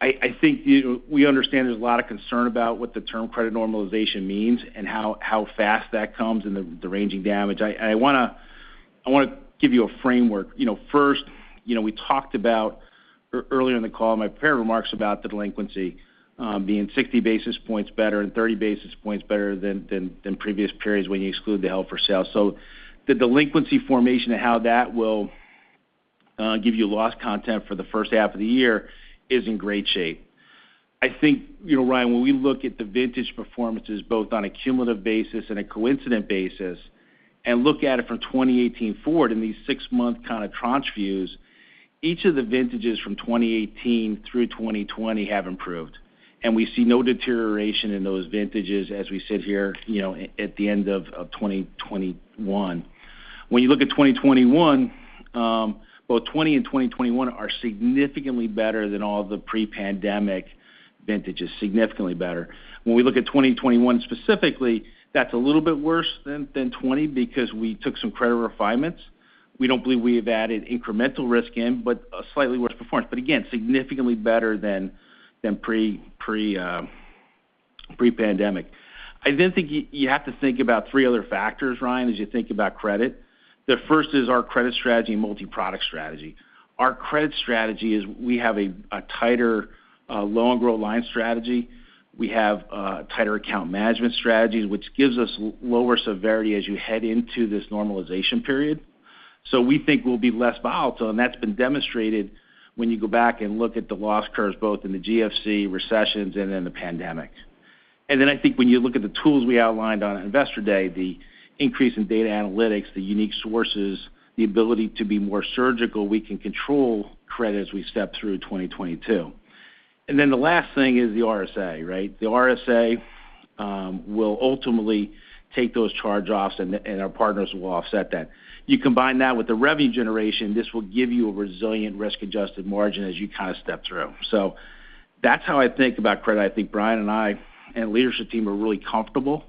I think, you know, we understand there's a lot of concern about what the term credit normalization means and how fast that comes and the ranging damage. I wanna give you a framework. You know, first, you know, we talked about earlier in the call in my prepared remarks about the delinquency being 60 basis points better and 30 basis points better than previous periods when you exclude the held for sale. The delinquency formation and how that will give you loss content for the first half of the year is in great shape. I think, you know, Ryan, when we look at the vintage performances, both on a cumulative basis and a coincident basis, and look at it from 2018 forward in these six-month kind of tranche views, each of the vintages from 2018 through 2020 have improved. We see no deterioration in those vintages as we sit here, you know, at the end of 2021. When you look at 2021, both 2020 and 2021 are significantly better than all the pre-pandemic vintages. Significantly better. When we look at 2021 specifically, that's a little bit worse than 2020 because we took some credit refinements. We don't believe we have added incremental risk in, but a slightly worse performance. But again, significantly better than pre-pandemic. I then think you have to think about three other factors, Ryan, as you think about credit. The first is our credit strategy and multiproduct strategy. Our credit strategy is we have a tighter loan growth line strategy. We have tighter account management strategies, which gives us lower severity as you head into this normalization period. We think we'll be less volatile, and that's been demonstrated when you go back and look at the loss curves both in the GFC recessions and in the pandemic. I think when you look at the tools we outlined on Investor Day, the increase in data analytics, the unique sources, the ability to be more surgical, we can control credit as we step through 2022. The last thing is the RSA, right? The RSA will ultimately take those charge-offs and our partners will offset that. You combine that with the revenue generation, this will give you a resilient risk-adjusted margin as you kind of step through. That's how I think about credit. I think Brian and I, and leadership team are really comfortable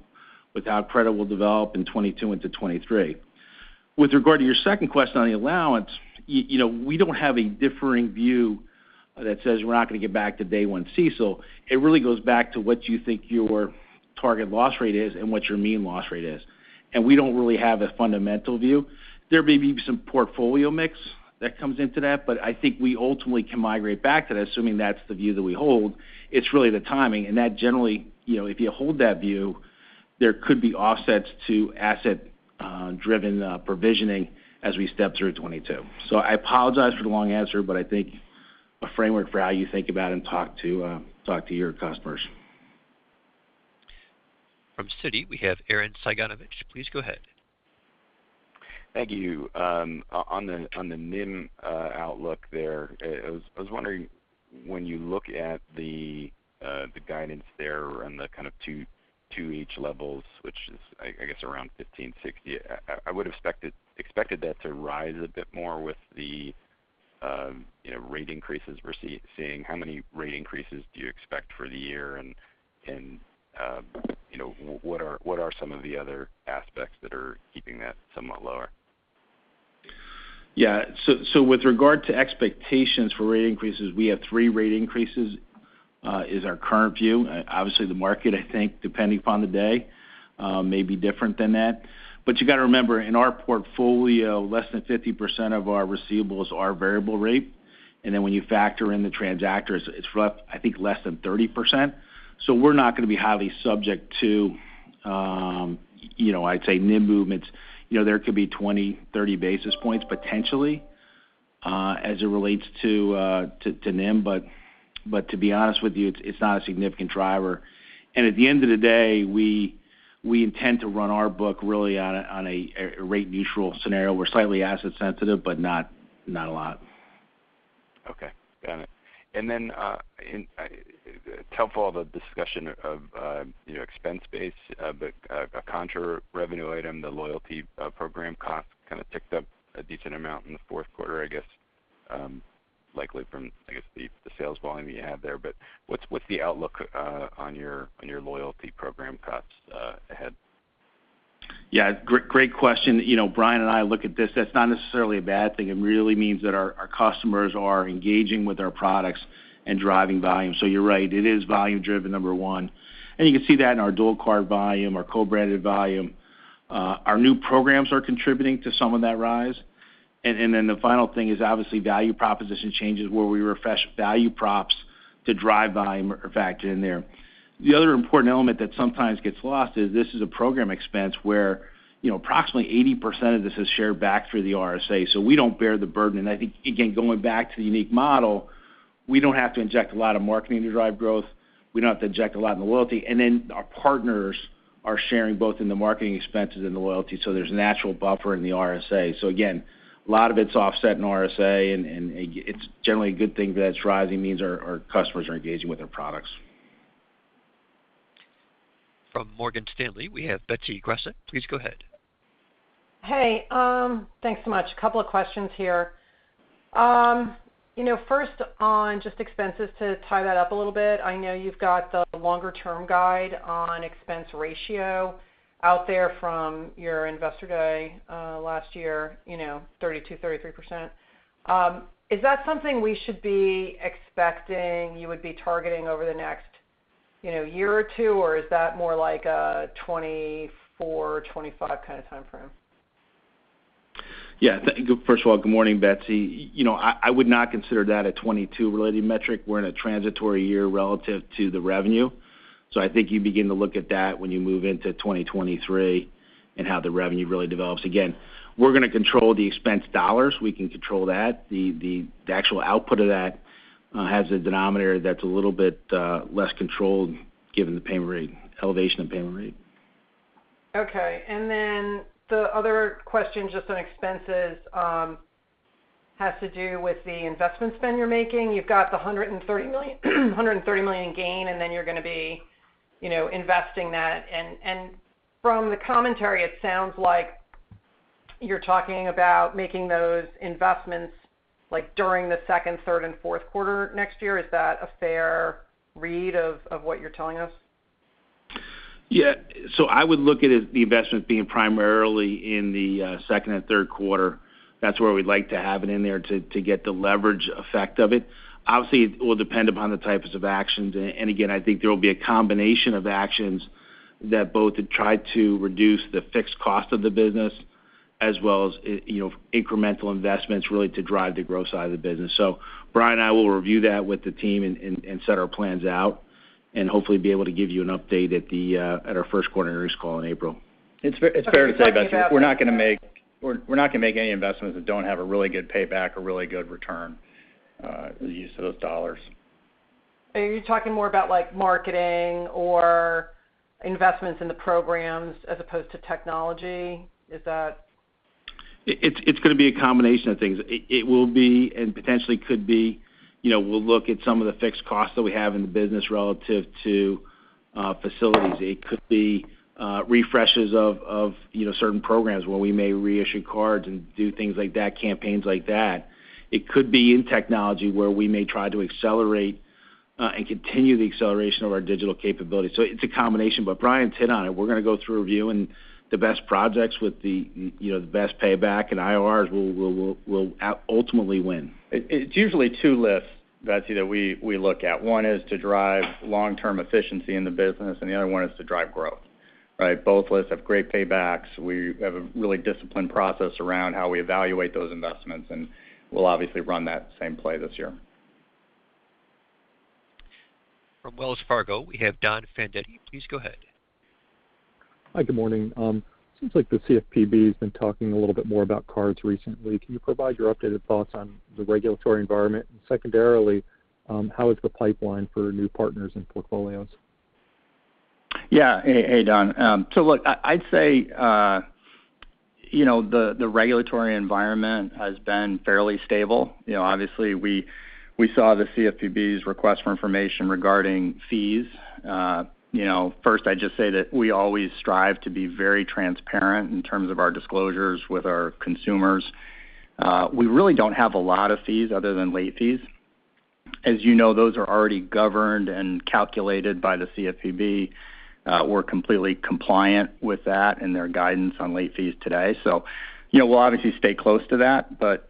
with how credit will develop in 2022 into 2023. With regard to your second question on the allowance, you know, we don't have a differing view that says we're not gonna get back to day one CECL. It really goes back to what you think your target loss rate is and what your mean loss rate is. We don't really have a fundamental view. There may be some portfolio mix that comes into that, but I think we ultimately can migrate back to that, assuming that's the view that we hold. It's really the timing, and that generally, you know, if you hold that view, there could be offsets to asset driven provisioning as we step through 2022. I apologize for the long answer, but I think a framework for how you think about and talk to your customers. From Citi, we have Arren Cyganovich. Please go ahead. Thank you. On the NIM outlook there, I was wondering when you look at the guidance there and the kind of two each levels, which is, I guess, around 15.60%. I would've expected that to rise a bit more with the, you know, rate increases we're seeing. How many rate increases do you expect for the year and, you know, what are some of the other aspects that are keeping that somewhat lower? Yeah. With regard to expectations for rate increases, we have three rate increases is our current view. Obviously the market, I think, depending upon the day, may be different than that. You gotta remember, in our portfolio, less than 50% of our receivables are variable rate, and then when you factor in the transactors, it's roughly, I think, less than 30%. We're not gonna be highly subject to, you know, I'd say NIM movements. You know, there could be 20, 30 basis points potentially, as it relates to NIM, but to be honest with you, it's not a significant driver. At the end of the day, we intend to run our book really on a rate neutral scenario. We're slightly asset sensitive, but not a lot. Okay. Got it. It's helpful, the discussion of, you know, expense base, but a contra revenue item, the loyalty program cost kind of ticked up a decent amount in the fourth quarter, I guess, likely from, I guess, the sales volume you had there. What's the outlook on your loyalty program costs ahead? Yeah. Great question. You know, Brian and I look at this, that's not necessarily a bad thing. It really means that our customers are engaging with our products and driving volume. You're right, it is volume driven, number one. You can see that in our dual and co-branded volume. Our new programs are contributing to some of that rise. Then the final thing is obviously value proposition changes where we refresh value props to drive volume are factored in there. The other important element that sometimes gets lost is this is a program expense where, you know, approximately 80% of this is shared back through the RSA, so we don't bear the burden. I think, again, going back to the unique model, we don't have to inject a lot of marketing to drive growth. We don't have to inject a lot in the loyalty. Our partners are sharing both in the marketing expenses and the loyalty, so there's natural buffer in the RSA. Again, a lot of it's offset in RSA and it's generally a good thing that it's rising. It means our customers are engaging with our products. From Morgan Stanley, we have Betsy Graseck. Please go ahead. Hey. Thanks so much. A couple of questions here. You know, first on just expenses to tie that up a little bit. I know you've got the longer-term guide on expense ratio out there from your Investor Day last year, you know, 32%-33%. Is that something we should be expecting you would be targeting over the next, you know, year or two? Or is that more like a 2024, 2025 kind of timeframe? Yeah. First of all, good morning, Betsy. You know, I would not consider that a 2022 related metric. We're in a transitory year relative to the revenue. I think you begin to look at that when you move into 2023 and how the revenue really develops. Again, we're gonna control the expense dollars. We can control that. The actual output of that has a denominator that's a little bit less controlled given the payment rate elevation of payment rate. Okay. The other question just on expenses has to do with the investment spend you're making. You've got the $130 million in gain, and then you're gonna be, you know, investing that. From the commentary, it sounds like you're talking about making those investments like during the second, third, and fourth quarter next year. Is that a fair read of what you're telling us? Yeah. I would look at it, the investment being primarily in the second and third quarter. That's where we'd like to have it in there to get the leverage effect of it. Obviously, it will depend upon the types of actions. And again, I think there will be a combination of actions that both try to reduce the fixed cost of the business as well as you know, incremental investments really to drive the growth side of the business. Brian and I will review that with the team and set our plans out, and hopefully be able to give you an update at our first quarter earnings call in April. It's fair to say, Betsy, we're not gonna make any investments that don't have a really good payback or really good return, the use of those dollars. Are you talking more about like marketing or investments in the programs as opposed to technology? Is that? It's gonna be a combination of things. It will be and potentially could be. You know, we'll look at some of the fixed costs that we have in the business relative to facilities. It could be refreshes of you know, certain programs where we may reissue cards and do things like that, campaigns like that. It could be in technology where we may try to accelerate and continue the acceleration of our digital capabilities. So it's a combination. But Brian's hit on it. We're gonna go through a review, and the best projects with the you know, the best payback and IRRs will ultimately win. It's usually two lists, Betsy, that we look at. One is to drive long-term efficiency in the business, and the other one is to drive growth, right? Both lists have great paybacks. We have a really disciplined process around how we evaluate those investments, and we'll obviously run that same play this year. From Wells Fargo, we have Don Fandetti. Please go ahead. Hi, good morning. Seems like the CFPB has been talking a little bit more about cards recently. Can you provide your updated thoughts on the regulatory environment? Secondarily, how is the pipeline for new partners and portfolios? Yeah. Hey, Don. Look, I'd say, you know, the regulatory environment has been fairly stable. You know, obviously, we saw the CFPB's request for information regarding fees. You know, first, I'd just say that we always strive to be very transparent in terms of our disclosures with our consumers. We really don't have a lot of fees other than late fees. As you know, those are already governed and calculated by the CFPB. We're completely compliant with that and their guidance on late fees today. You know, we'll obviously stay close to that, but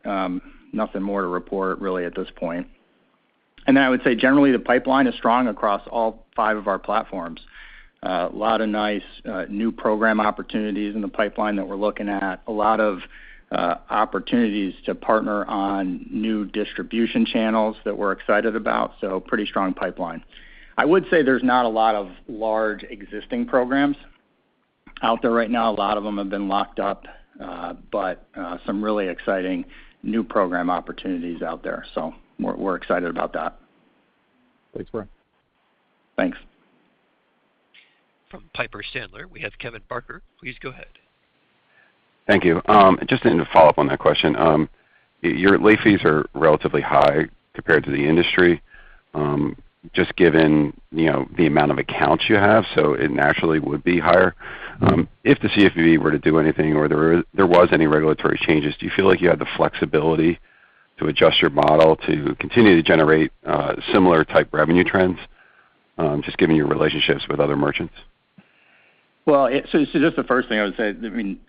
nothing more to report really at this point. I would say, generally, the pipeline is strong across all five of our platforms, a lot of nice new program opportunities in the pipeline that we're looking at. A lot of opportunities to partner on new distribution channels that we're excited about, so pretty strong pipeline. I would say there's not a lot of large existing programs out there right now. A lot of them have been locked up, but some really exciting new program opportunities out there. We're excited about that. Thanks, Brian. Thanks. From Piper Sandler, we have Kevin Barker. Please go ahead. Thank you. Just in a follow-up on that question. Your late fees are relatively high compared to the industry, just given, you know, the amount of accounts you have, so it naturally would be higher. If the CFPB were to do anything or there was any regulatory changes, do you feel like you have the flexibility to adjust your model to continue to generate similar type revenue trends, just given your relationships with other merchants? Just the first thing I would say, I mean,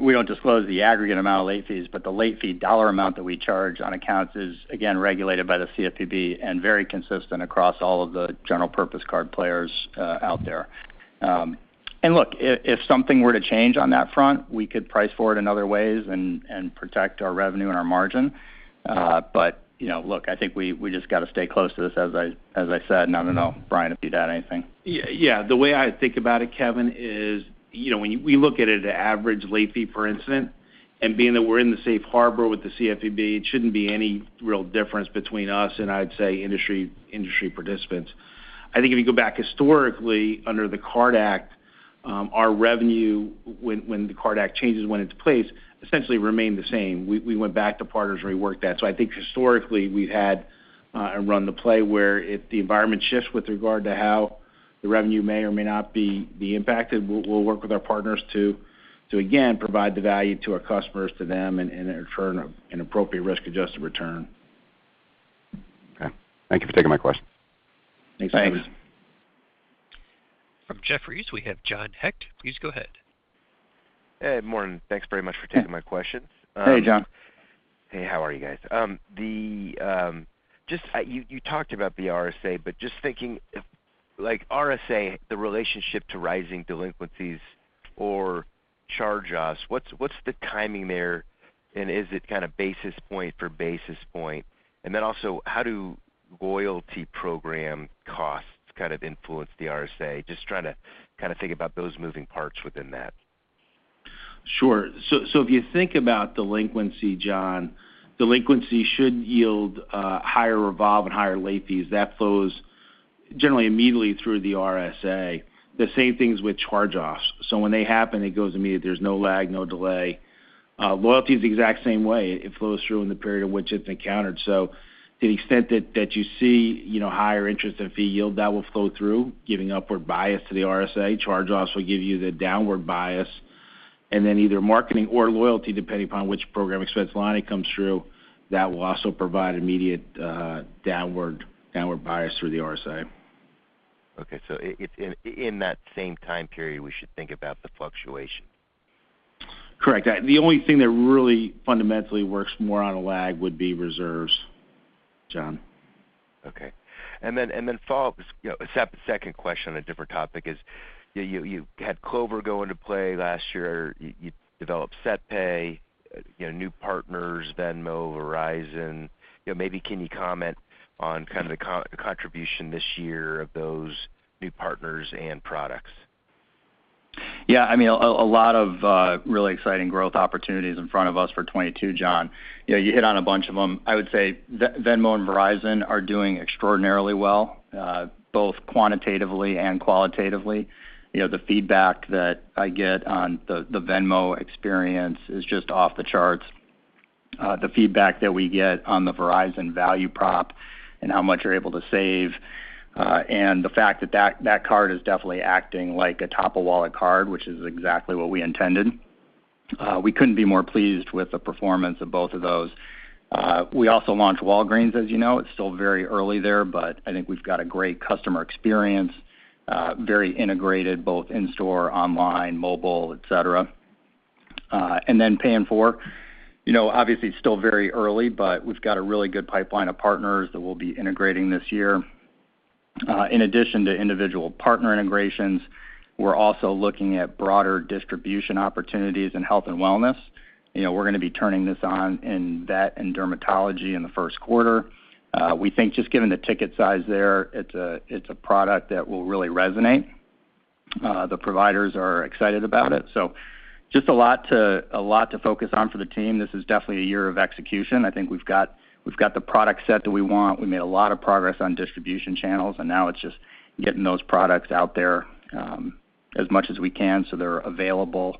we don't disclose the aggregate amount of late fees, but the late fee dollar amount that we charge on accounts is, again, regulated by the CFPB and very consistent across all of the general purpose card players out there. Look, if something were to change on that front, we could price for it in other ways and protect our revenue and our margin. You know, look, I think we just got to stay close to this as I said. I don't know, Brian, if you'd add anything. Yeah. The way I think about it, Kevin, is, you know, when we look at it at average late fee, for instance, and being that we're in the safe harbor with the CFPB, it shouldn't be any real difference between us and I'd say industry participants. I think if you go back historically under the CARD Act, our revenue when the CARD Act changes went into place, essentially remained the same. We went back to partners and reworked that. So I think historically, we've had and run the play where if the environment shifts with regard to how the revenue may or may not be impacted, we'll work with our partners to again provide the value to our customers, to them in return of an appropriate risk-adjusted return. Okay. Thank you for taking my question. Thanks. Thanks. From Jefferies, we have John Hecht. Please go ahead. Hey. Morning. Thanks very much for taking my questions. Hey, John. Hey, how are you guys? Just you talked about the RSA, but just thinking if like RSA, the relationship to rising delinquencies or charge-offs, what's the timing there, and is it kind of basis point for basis point? Then also, how do loyalty program costs kind of influence the RSA? Just trying to kind of think about those moving parts within that. Sure. If you think about delinquency, John, delinquency should yield higher revolve and higher late fees. That flows generally immediately through the RSA. The same things with charge-offs. When they happen, it goes immediate. There's no lag, no delay. Loyalty is the exact same way. It flows through in the period in which it's encountered. To the extent that you see, you know, higher interest and fee yield, that will flow through, giving upward bias to the RSA. Charge-offs will give you the downward bias. Then either marketing or loyalty, depending upon which program expense line it comes through, that will also provide immediate downward bias through the RSA. Okay. It's in that same time period, we should think about the fluctuation. Correct. The only thing that really fundamentally works more on a lag would be reserves. John. Okay. Follow up is, you know, a second question on a different topic. You had Clover go into play last year. You developed SetPay, you know, new partners, Venmo, Verizon. You know, maybe can you comment on kind of the contribution this year of those new partners and products? Yeah, I mean, a lot of really exciting growth opportunities in front of us for 2022, John. You know, you hit on a bunch of them. I would say Venmo and Verizon are doing extraordinarily well, both quantitatively and qualitatively. You know, the feedback that I get on the Venmo experience is just off the charts. The feedback that we get on the Verizon value prop and how much you're able to save, and the fact that that card is definitely acting like a top-of-wallet card, which is exactly what we intended. We couldn't be more pleased with the performance of both of those. We also launched Walgreens, as you know. It's still very early there, but I think we've got a great customer experience, very integrated, both in store, online, mobile, et cetera. Pay in 4, you know, obviously it's still very early, but we've got a really good pipeline of partners that we'll be integrating this year. In addition to individual partner integrations, we're also looking at broader distribution opportunities in health and wellness. You know, we're gonna be turning this on in vet and dermatology in the first quarter. We think just given the ticket size there, it's a product that will really resonate. The providers are excited about it. Just a lot to focus on for the team. This is definitely a year of execution. I think we've got the product set that we want. We made a lot of progress on distribution channels, and now it's just getting those products out there as much as we can so they're available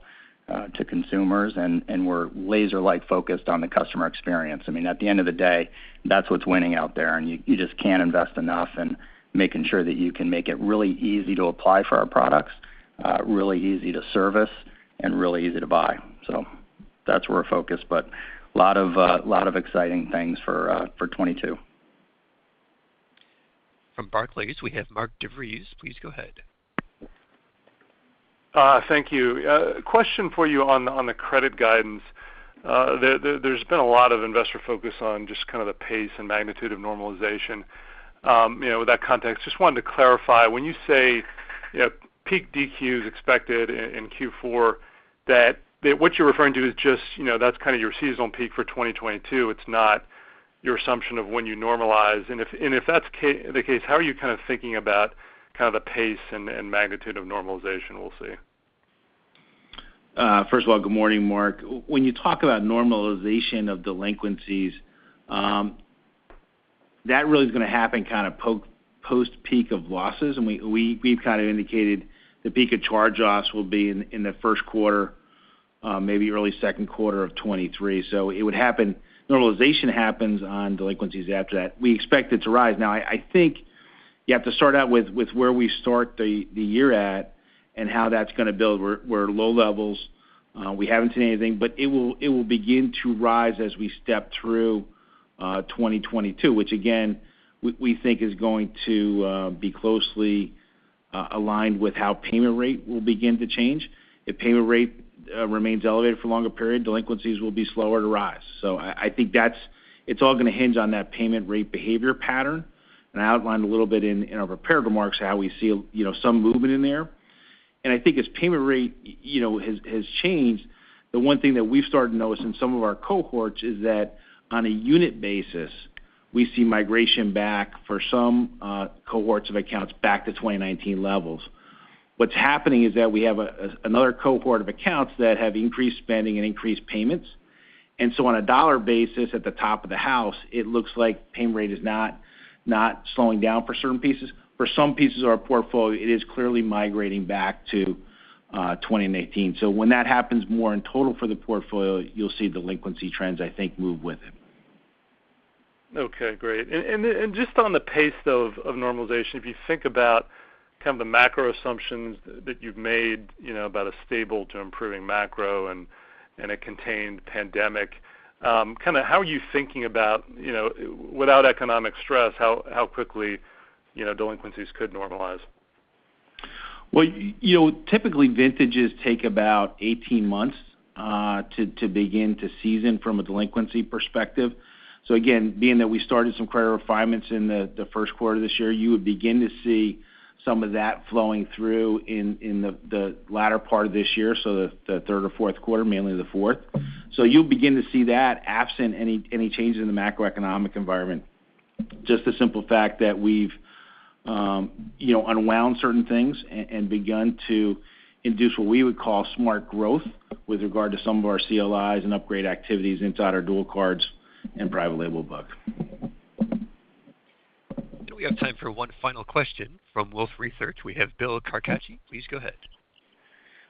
to consumers, and we're laser-like focused on the customer experience. I mean, at the end of the day, that's what's winning out there, and you just can't invest enough in making sure that you can make it really easy to apply for our products, really easy to service, and really easy to buy. That's where we're focused, but lot of exciting things for 2022. From Barclays, we have Mark DeVries. Please go ahead. Thank you. Question for you on the credit guidance. There's been a lot of investor focus on just kind of the pace and magnitude of normalization. You know, with that context, just wanted to clarify. When you say, you know, peak DQs expected in Q4, that what you're referring to is just, you know, that's kind of your seasonal peak for 2022. It's not your assumption of when you normalize. And if that's the case, how are you kind of thinking about kind of the pace and magnitude of normalization we'll see? First of all, good morning, Mark. When you talk about normalization of delinquencies, that really is gonna happen kind of post peak of losses, and we've kind of indicated the peak of charge-offs will be in the first quarter, maybe early second quarter of 2023. Normalization happens on delinquencies after that. We expect it to rise. Now, I think you have to start out with where we start the year at and how that's gonna build. We're at low levels. We haven't seen anything, but it will begin to rise as we step through 2022, which again, we think is going to be closely aligned with how payment rate will begin to change. If payment rate remains elevated for a longer period, delinquencies will be slower to rise. I think it's all gonna hinge on that payment rate behavior pattern, and I outlined a little bit in our prepared remarks how we see, you know, some movement in there. I think as payment rate, you know, has changed, the one thing that we've started to notice in some of our cohorts is that on a unit basis, we see migration back for some cohorts of accounts back to 2019 levels. What's happening is that we have another cohort of accounts that have increased spending and increased payments. On a dollar basis at the top of the house, it looks like payment rate is not slowing down for certain pieces. For some pieces of our portfolio, it is clearly migrating back to 2019. When that happens more in total for the portfolio, you'll see delinquency trends, I think, move with it. Okay, great. Just on the pace, though, of normalization, if you think about kind of the macro assumptions that you've made, you know, about a stable to improving macro and a contained pandemic, kind of how are you thinking about, you know, without economic stress, how quickly, you know, delinquencies could normalize? Well, you know, typically vintages take about 18 months to begin to season from a delinquency perspective. Again, being that we started some credit refinements in the first quarter of this year, you would begin to see some of that flowing through in the latter part of this year, the third or fourth quarter, mainly the fourth. You'll begin to see that absent any changes in the macroeconomic environment. Just the simple fact that we've unwound certain things and begun to induce what we would call smart growth with regard to some of our CLIs and upgrade activities inside our dual cards and private label book. We have time for one final question. From Wolfe Research, we have Bill Carcache. Please go ahead.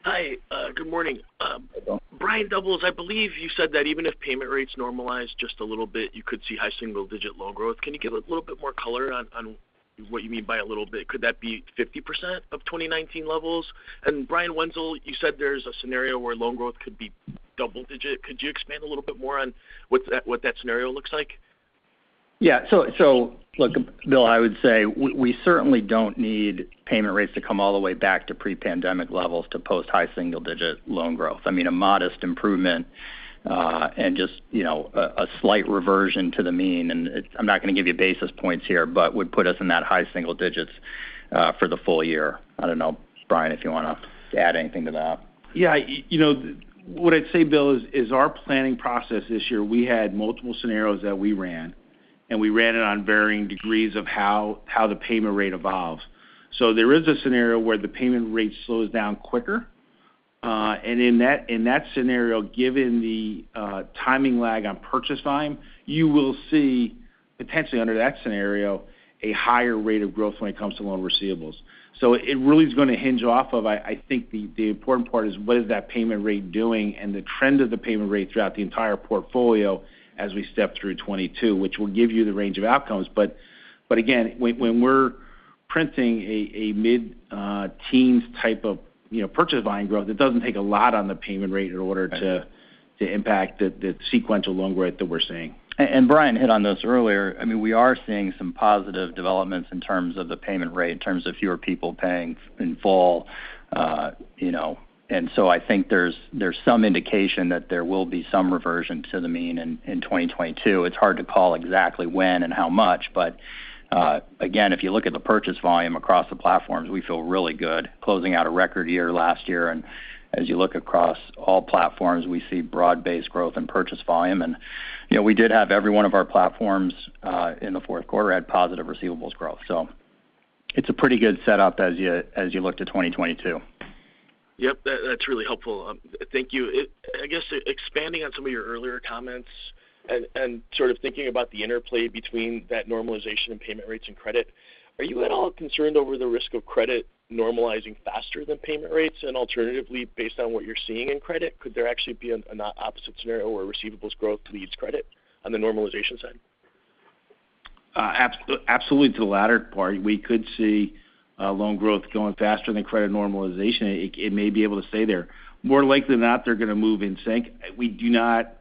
Hi. Good morning. Hi, Bill. Brian Doubles, I believe you said that even if payment rates normalize just a little bit, you could see high single-digit loan growth. Can you give a little bit more color on what you mean by a little bit? Could that be 50% of 2019 levels? Brian Wenzel, you said there's a scenario where loan growth could be double-digit. Could you expand a little bit more on what that scenario looks like? Yeah. Look, Bill, I would say we certainly don't need payment rates to come all the way back to pre-pandemic levels to post high single-digit loan growth. I mean, a modest improvement and just, you know, a slight reversion to the mean, and I'm not gonna give you basis points here, but would put us in that high single digits for the full year. I don't know, Brian, if you wanna add anything to that. Yeah. You know, what I'd say, Bill, is our planning process this year, we had multiple scenarios that we ran, and we ran it on varying degrees of how the payment rate evolves. So there is a scenario where the payment rate slows down quicker. And in that scenario, given the timing lag on purchase time, you will see potentially under that scenario, a higher rate of growth when it comes to loan receivables. So it really is gonna hinge on. I think the important part is what is that payment rate doing and the trend of the payment rate throughout the entire portfolio as we step through 2022, which will give you the range of outcomes. Again, when we're printing a mid-teens type of, you know, purchase volume growth, it doesn't take a lot on the payment rate in order to- Right to impact the sequential loan growth that we're seeing. Brian hit on this earlier. I mean, we are seeing some positive developments in terms of the payment rate, in terms of fewer people paying in full, you know. I think there's some indication that there will be some reversion to the mean in 2022. It's hard to call exactly when and how much. But, again, if you look at the purchase volume across the platforms, we feel really good closing out a record year last year. As you look across all platforms, we see broad-based growth and purchase volume. You know, we did have every one of our platforms in the fourth quarter had positive receivables growth. So it's a pretty good setup as you look to 2022. Yep, that's really helpful. Thank you. I guess expanding on some of your earlier comments and sort of thinking about the interplay between that normalization and payment rates and credit, are you at all concerned over the risk of credit normalizing faster than payment rates? Alternatively, based on what you're seeing in credit, could there actually be an opposite scenario where receivables growth leads credit on the normalization side? Absolutely to the latter part. We could see loan growth going faster than credit normalization. It may be able to stay there. More likely than not, they're gonna move in sync. We do not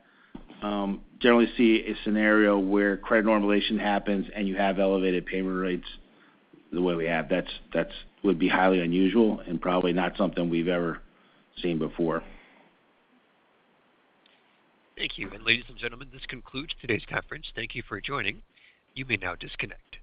generally see a scenario where credit normalization happens, and you have elevated payment rates the way we have. That would be highly unusual and probably not something we've ever seen before. Thank you. Ladies and gentlemen, this concludes today's conference. Thank you for joining. You may now disconnect.